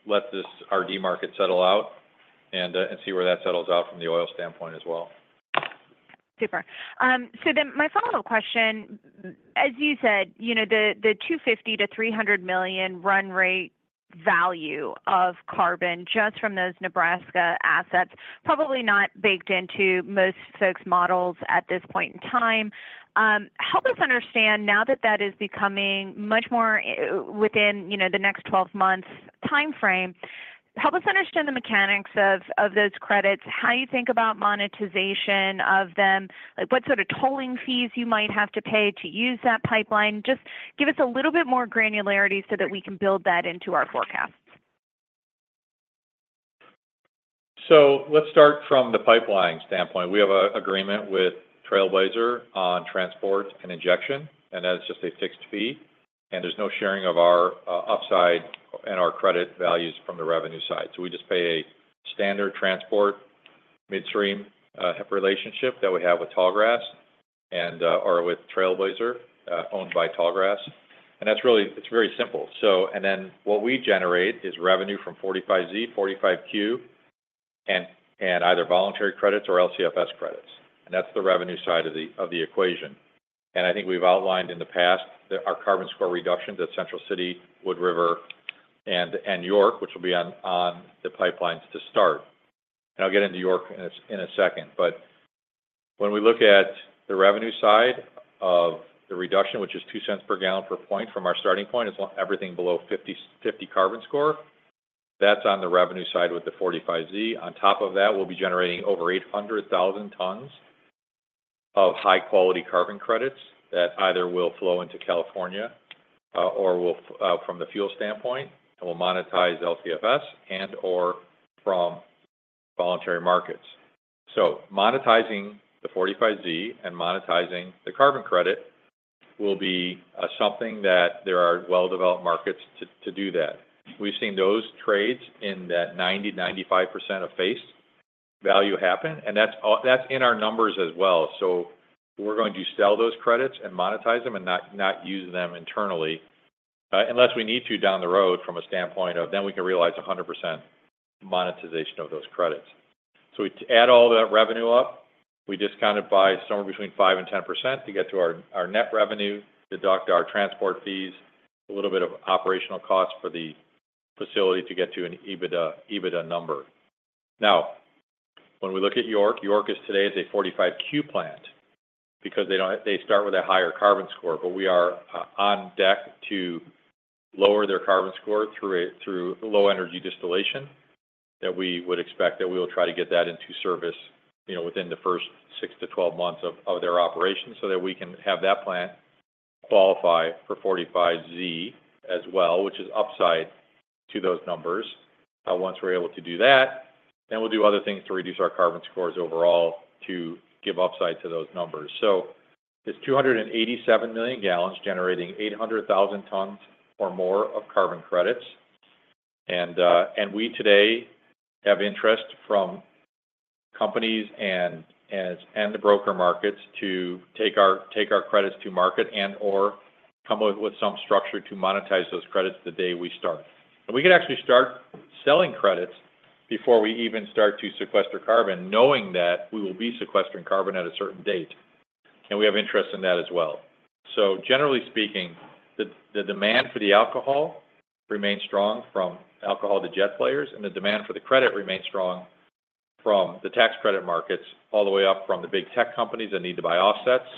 let our RD market settle out and see where that settles out from the oil standpoint as well. Super. So then my follow-up question, as you said, the $250-300 million run rate value of carbon just from those Nebraska assets, probably not baked into most folks' models at this point in time. Help us understand now that that is becoming much more within the next 12 months' time frame. Help us understand the mechanics of those credits, how you think about monetization of them, what sort of tolling fees you might have to pay to use that pipeline. Just give us a little bit more granularity so that we can build that into our forecasts. So let's start from the pipeline standpoint. We have an agreement with Trailblazer on transport and injection, and that's just a fixed fee. And there's no sharing of our upside and our credit values from the revenue side. So we just pay a standard transport midstream relationship that we have with Tallgrass and/or with Trailblazer owned by Tallgrass. And it's very simple. And then what we generate is revenue from 45Z, 45Q, and either voluntary credits or LCFS credits. And that's the revenue side of the equation. And I think we've outlined in the past our carbon score reductions at Central City, Wood River, and York, which will be on the pipelines to start. And I'll get into York in a second. But when we look at the revenue side of the reduction, which is $0.02 per gallon per point from our starting point, it's everything below 50 carbon score. That's on the revenue side with the 45Z. On top of that, we'll be generating over 800,000 tons of high-quality carbon credits that either will flow into California or from the fuel standpoint and will monetize LCFS and/or from voluntary markets. So monetizing the 45Z and monetizing the carbon credit will be something that there are well-developed markets to do that. We've seen those trades in that 90%-95% of face value happen. And that's in our numbers as well. So we're going to sell those credits and monetize them and not use them internally unless we need to down the road from a standpoint of then we can realize 100% monetization of those credits. We add all that revenue up. We discount it by somewhere between five and 10% to get to our net revenue, deduct our transport fees, a little bit of operational costs for the facility to get to an EBITDA number. Now, when we look at York, York today is a 45Q plant because they start with a higher carbon score. But we are on deck to lower their carbon score through low energy distillation that we would expect that we will try to get that into service within the first 6 to 12 months of their operation so that we can have that plant qualify for 45Z as well, which is upside to those numbers. Once we're able to do that, then we'll do other things to reduce our carbon scores overall to give upside to those numbers. It's 287 million gallons generating 800,000 tons or more of carbon credits. And today we have interest from companies and the broker markets to take our credits to market and/or come up with some structure to monetize those credits the day we start. And we can actually start selling credits before we even start to sequester carbon, knowing that we will be sequestering carbon at a certain date. And we have interest in that as well. Generally speaking, the demand for the alcohol remains strong from alcohol-to-jet players, and the demand for the credit remains strong from the tax credit markets all the way up from the big tech companies that need to buy offsets,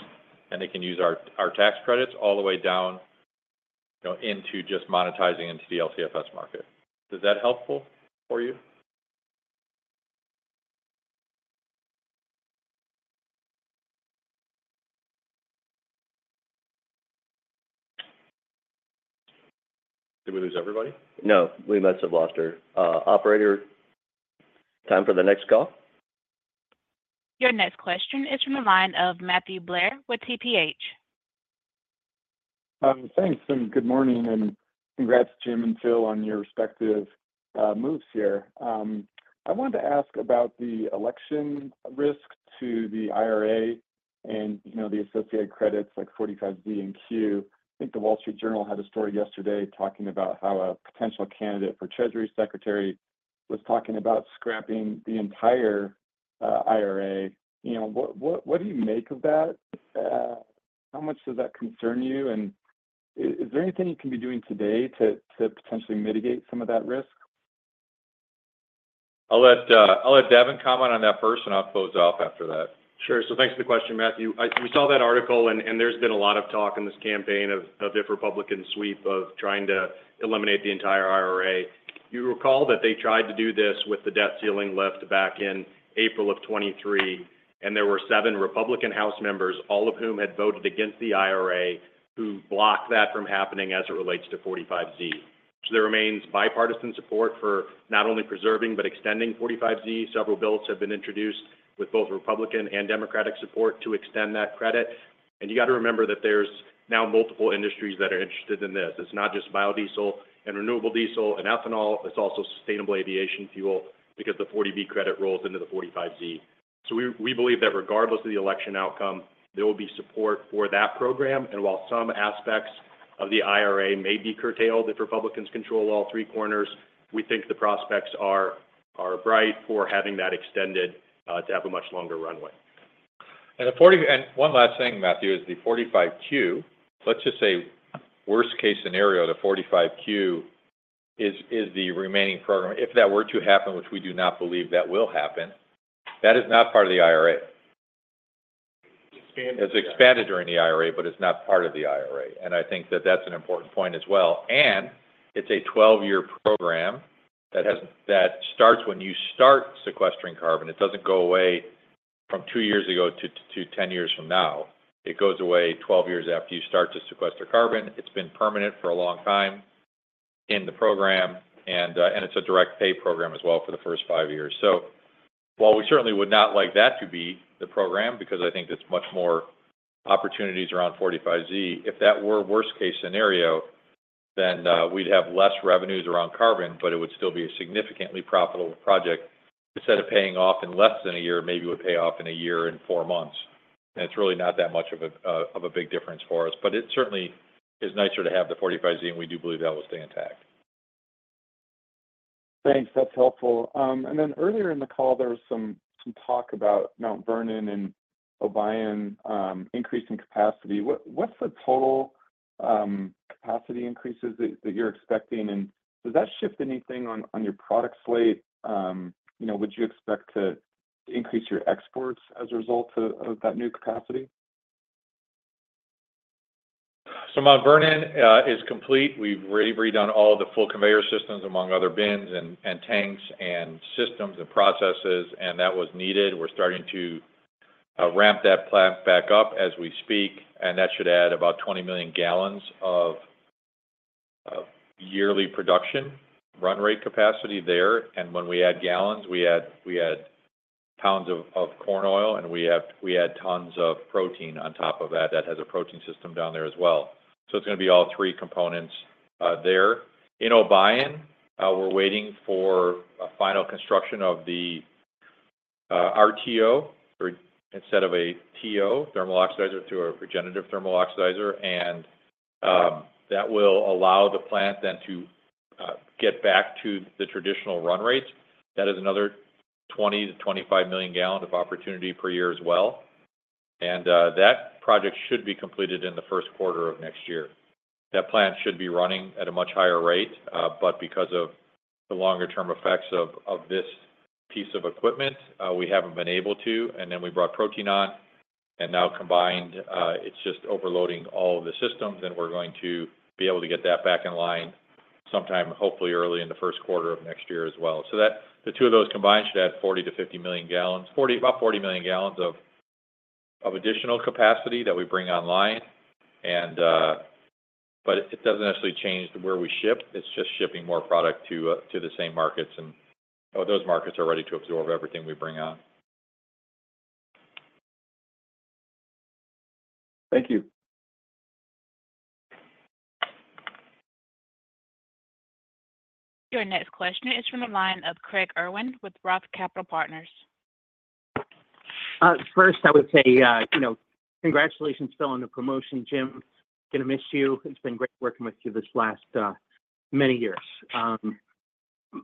and they can use our tax credits all the way down into just monetizing into the LCFS market. Is that helpful for you? Did we lose everybody? No. We must have lost our operator. Time for the next call? Your next question is from the line of Matthew Blair with TPH. Thanks. And good morning. And congrats, Jim and Phil, on your respective moves here. I wanted to ask about the election risk to the IRA and the associated credits like 45Z and 45Q. I think The Wall Street Journal had a story yesterday talking about how a potential candidate for Treasury Secretary was talking about scrapping the entire IRA. What do you make of that? How much does that concern you? And is there anything you can be doing today to potentially mitigate some of that risk? I'll let Devin comment on that first, and I'll close off after that. Sure. So thanks for the question, Matthew. We saw that article, and there's been a lot of talk in this campaign of this Republican sweep of trying to eliminate the entire IRA. You recall that they tried to do this with the debt ceiling lift back in April of 2023, and there were seven Republican House members, all of whom had voted against the IRA, who blocked that from happening as it relates to 45Z. So there remains bipartisan support for not only preserving but extending 45Z. Several bills have been introduced with both Republican and Democratic support to extend that credit. And you got to remember that there's now multiple industries that are interested in this. It's not just biodiesel and renewable diesel and ethanol. It's also sustainable aviation fuel because the 45B credit rolls into the 45Z. So we believe that regardless of the election outcome, there will be support for that program. And while some aspects of the IRA may be curtailed if Republicans control all three corners, we think the prospects are bright for having that extended to have a much longer runway. And one last thing, Matthew, is the 45Q. Let's just say worst-case scenario, the 45Q is the remaining program. If that were to happen, which we do not believe that will happen, that is not part of the IRA. It's expanded during the IRA, but it's not part of the IRA. And I think that that's an important point as well. And it's a 12-year program that starts when you start sequestering carbon. It doesn't go away from two years ago to 10 years from now. It goes away 12 years after you start to sequester carbon. It's been permanent for a long time in the program. And it's a direct-pay program as well for the first five years. While we certainly would not like that to be the program, because I think there's much more opportunities around 45Z, if that were worst-case scenario, then we'd have less revenues around carbon, but it would still be a significantly profitable project. Instead of paying off in less than a year, maybe it would pay off in a year and four months. It's really not that much of a big difference for us. But it certainly is nicer to have the 45Z, and we do believe that will stay intact. Thanks. That's helpful. And then earlier in the call, there was some talk about Mount Vernon and Obion increasing capacity. What's the total capacity increases that you're expecting? And does that shift anything on your product slate? Would you expect to increase your exports as a result of that new capacity? Mount Vernon is complete. We've redone all of the full conveyor systems, among other bins and tanks and systems and processes, and that was needed. We're starting to ramp that plant back up as we speak. That should add about 20 million gallons of yearly production run rate capacity there. When we add gallons, we add tons of corn oil, and we add tons of protein on top of that. That has a protein system down there as well. It's going to be all three components there. In Obion, we're waiting for final construction of the RTO instead of a TO, thermal oxidizer to a regenerative thermal oxidizer. That will allow the plant then to get back to the traditional run rate. That is another 20-25 million gallons of opportunity per year as well. That project should be completed in the first quarter of next year. That plant should be running at a much higher rate. But because of the longer-term effects of this piece of equipment, we haven't been able to. And then we brought protein on. And now combined, it's just overloading all of the systems. And we're going to be able to get that back in line sometime, hopefully early in the first quarter of next year as well. So the two of those combined should add 40-50 million gallons, about 40 million gallons of additional capacity that we bring online. But it doesn't necessarily change where we ship. It's just shipping more product to the same markets. And those markets are ready to absorb everything we bring on. Thank you. Your next question is from the line of Craig Irwin with Roth Capital Partners. First, I would say congratulations still on the promotion, Jim. Going to miss you. It's been great working with you this last many years.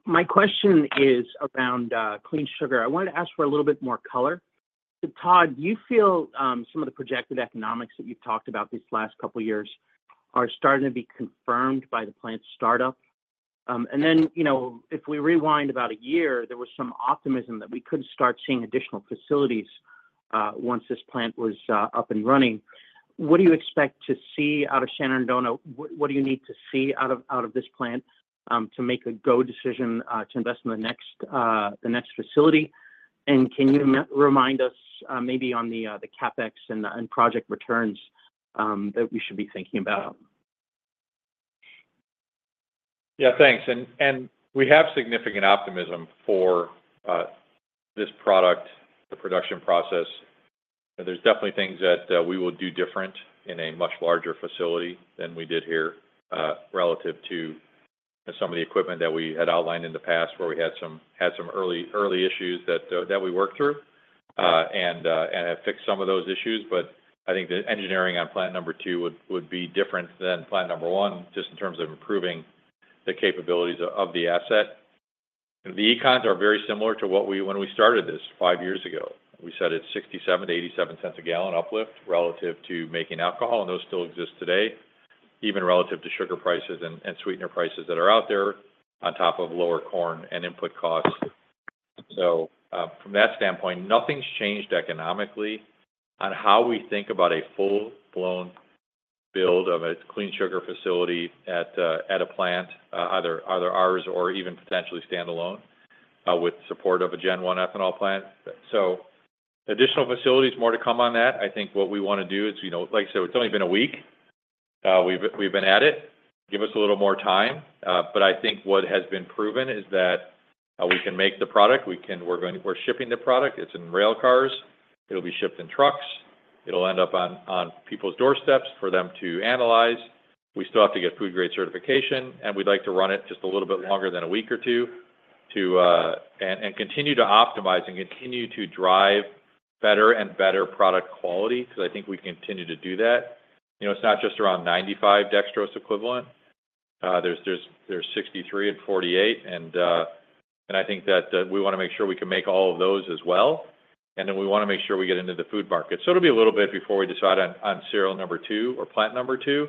My question is around clean sugar. I wanted to ask for a little bit more color. Todd, do you feel some of the projected economics that you've talked about these last couple of years are starting to be confirmed by the plant startup? And then if we rewind about a year, there was some optimism that we could start seeing additional facilities once this plant was up and running. What do you expect to see out of Shenandoah? What do you need to see out of this plant to make a go-decision to invest in the next facility? And can you remind us maybe on the CapEx and project returns that we should be thinking about? Yeah, thanks, and we have significant optimism for this product, the production process. There's definitely things that we will do different in a much larger facility than we did here relative to some of the equipment that we had outlined in the past where we had some early issues that we worked through and have fixed some of those issues. But I think the engineering on plant number two would be different than plant number one just in terms of improving the capabilities of the asset. The econs are very similar to when we started this five years ago. We said it's $0.67-$0.87 a gallon uplift relative to making alcohol. And those still exist today, even relative to sugar prices and sweetener prices that are out there on top of lower corn and input costs. So from that standpoint, nothing's changed economically on how we think about a full-blown build of a clean sugar facility at a plant, either ours or even potentially standalone with support of a Gen 1 ethanol plant. So additional facilities, more to come on that. I think what we want to do is, like I said, it's only been a week. We've been at it. Give us a little more time. But I think what has been proven is that we can make the product. We're shipping the product. It's in rail cars. It'll be shipped in trucks. It'll end up on people's doorsteps for them to analyze. We still have to get food-grade certification. We'd like to run it just a little bit longer than a week or two and continue to optimize and continue to drive better and better product quality because I think we continue to do that. It's not just around 95 dextrose equivalent. There's 63 and 48. I think that we want to make sure we can make all of those as well. Then we want to make sure we get into the food market. It'll be a little bit before we decide on facility number two or plant number two.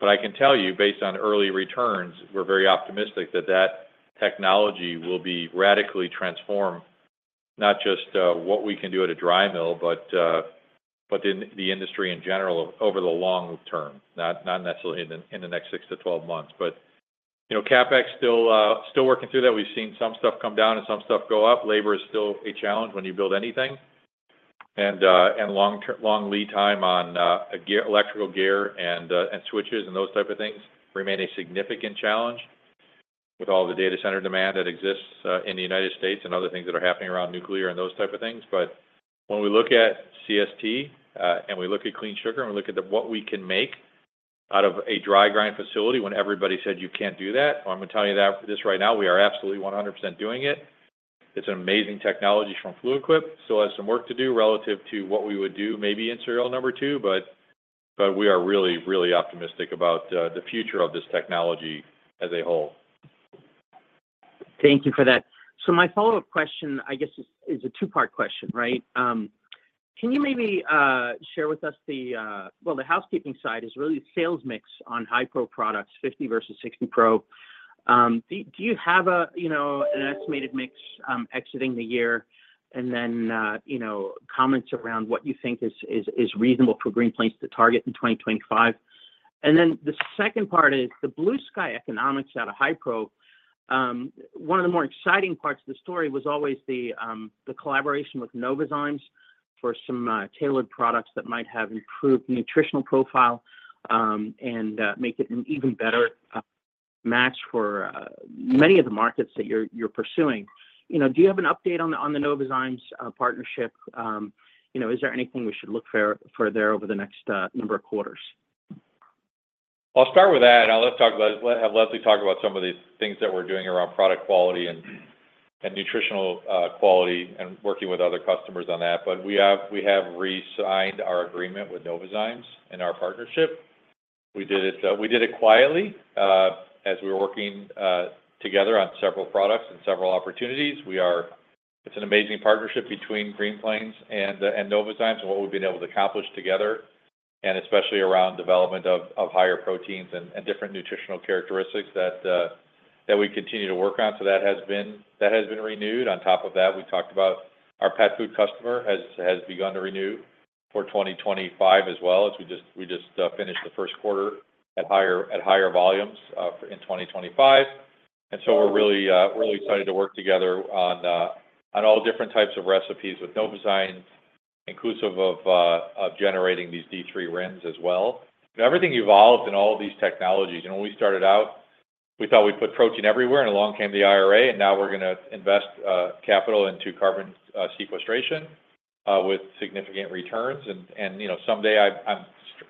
I can tell you, based on early returns, we're very optimistic that that technology will be radically transformed, not just what we can do at a dry mill, but the industry in general over the long term, not necessarily in the next 6 to 12 months. CapEx still working through that. We've seen some stuff come down and some stuff go up. Labor is still a challenge when you build anything, and long lead time on electrical gear and switches and those type of things remain a significant challenge with all the data center demand that exists in the United States and other things that are happening around nuclear and those type of things. But when we look at CST and we look at clean sugar and we look at what we can make out of a dry grind facility when everybody said, "You can't do that," I'm going to tell you this right now. We are absolutely 100% doing it. It's an amazing technology from Fluid Quip. Still has some work to do relative to what we would do maybe in serial number two, but we are really, really optimistic about the future of this technology as a whole. Thank you for that. So my follow-up question, I guess, is a two-part question, right? Can you maybe share with us the, well, the housekeeping side is really sales mix on Hi-Pro products, 50 Pro versus 60 Pro. Do you have an estimated mix exiting the year? And then comments around what you think is reasonable for Green Plains to target in 2025. And then the second part is the blue sky economics out of Hi-Pro. One of the more exciting parts of the story was always the collaboration with Novozymes for some tailored products that might have improved nutritional profile and make it an even better match for many of the markets that you're pursuing. Do you have an update on the Novozymes partnership? Is there anything we should look for there over the next number of quarters? I'll start with that. I'll let Leslie talk about some of the things that we're doing around product quality and nutritional quality and working with other customers on that. But we have re-signed our agreement with Novozymes and our partnership. We did it quietly as we were working together on several products and several opportunities. It's an amazing partnership between Green Plains and Novozymes and what we've been able to accomplish together, and especially around development of higher proteins and different nutritional characteristics that we continue to work on. So that has been renewed. On top of that, we talked about our pet food customer has begun to renew for 2025 as well. We just finished the first quarter at higher volumes in 2025. And so we're really excited to work together on all different types of recipes with Novozymes, inclusive of generating these D3 RINs as well. Everything evolved in all of these technologies, and when we started out, we thought we'd put protein everywhere. Along came the IRA, and now we're going to invest capital into carbon sequestration with significant returns. Someday,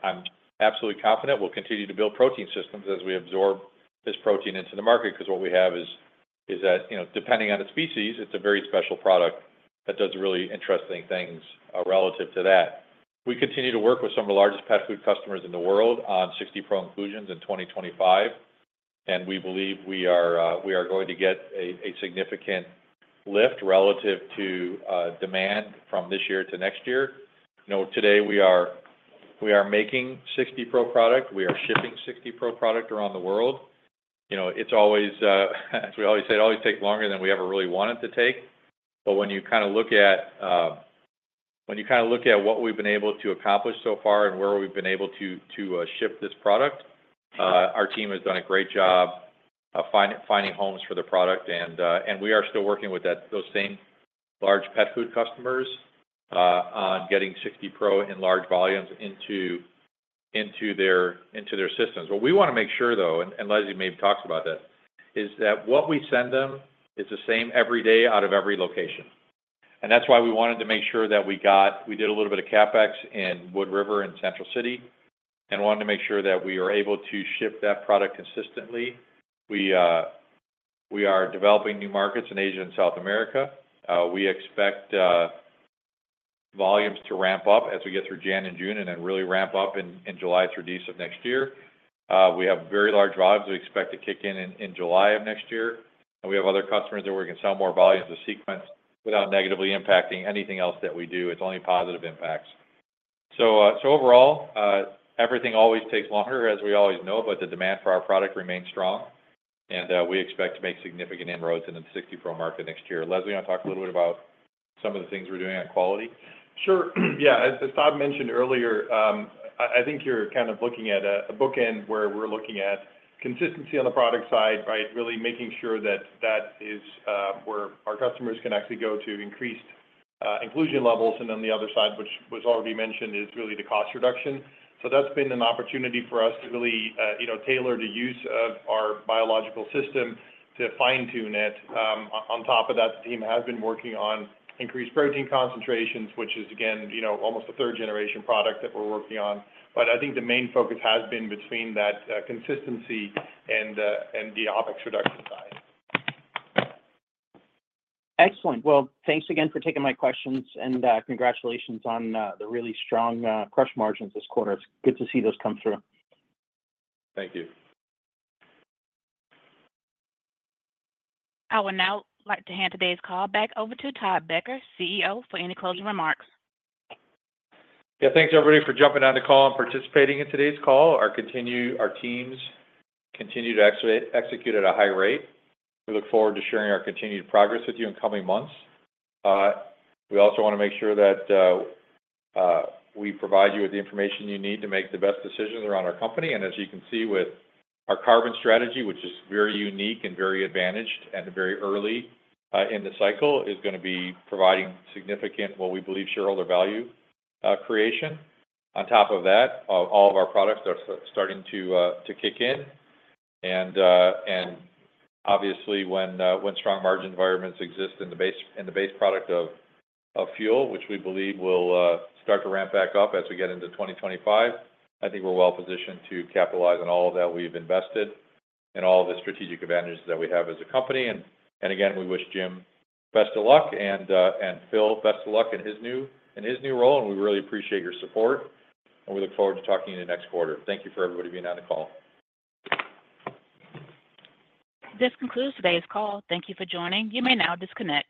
I'm absolutely confident we'll continue to build protein systems as we absorb this protein into the market because what we have is that, depending on the species, it's a very special product that does really interesting things relative to that. We continue to work with some of the largest pet food customers in the world on 60 Pro inclusions in 2025, and we believe we are going to get a significant lift relative to demand from this year to next year. Today, we are making 60 Pro product. We are shipping 60 Pro product around the world. As we always say, it always takes longer than we ever really want it to take. But when you kind of look at what we've been able to accomplish so far and where we've been able to ship this product, our team has done a great job finding homes for the product. And we are still working with those same large pet food customers on getting 60 Pro in large volumes into their systems. What we want to make sure, though, and Leslie maybe talks about that, is that what we send them is the same every day out of every location. And that's why we wanted to make sure that we did a little bit of CapEx in Wood River and Central City and wanted to make sure that we are able to ship that product consistently. We are developing new markets in Asia and South America. We expect volumes to ramp up as we get through January and June and then really ramp up in July through December of next year. We have very large volumes we expect to kick in in July of next year. And we have other customers that we're going to sell more volumes of Sequence without negatively impacting anything else that we do. It's only positive impacts. So overall, everything always takes longer, as we always know, but the demand for our product remains strong. And we expect to make significant inroads into the 60 Pro market next year. Leslie, you want to talk a little bit about some of the things we're doing on quality? Sure. Yeah. As Todd mentioned earlier, I think you're kind of looking at a bookend where we're looking at consistency on the product side, right, really making sure that that is where our customers can actually go to increased inclusion levels. And then the other side, which was already mentioned, is really the cost reduction. So that's been an opportunity for us to really tailor the use of our biological system to fine-tune it. On top of that, the team has been working on increased protein concentrations, which is, again, almost a third-generation product that we're working on. But I think the main focus has been between that consistency and the OpEx reduction side. Excellent. Well, thanks again for taking my questions. And congratulations on the really strong crush margins this quarter. It's good to see those come through. Thank you. I would now like to hand today's call back over to Todd Becker, CEO, for any closing remarks. Yeah. Thanks, everybody, for jumping on the call and participating in today's call. Our teams continue to execute at a high rate. We look forward to sharing our continued progress with you in coming months. We also want to make sure that we provide you with the information you need to make the best decisions around our company. And as you can see, with our carbon strategy, which is very unique and very advantaged and very early in the cycle, is going to be providing significant, what we believe, shareholder value creation. On top of that, all of our products are starting to kick in. Obviously, when strong margin environments exist in the base product of fuel, which we believe will start to ramp back up as we get into 2025, I think we're well positioned to capitalize on all of that we've invested and all of the strategic advantages that we have as a company. Again, we wish Jim best of luck and Phil, best of luck in his new role. We really appreciate your support. We look forward to talking to you next quarter. Thank you for everybody being on the call. This concludes today's call. Thank you for joining. You may now disconnect.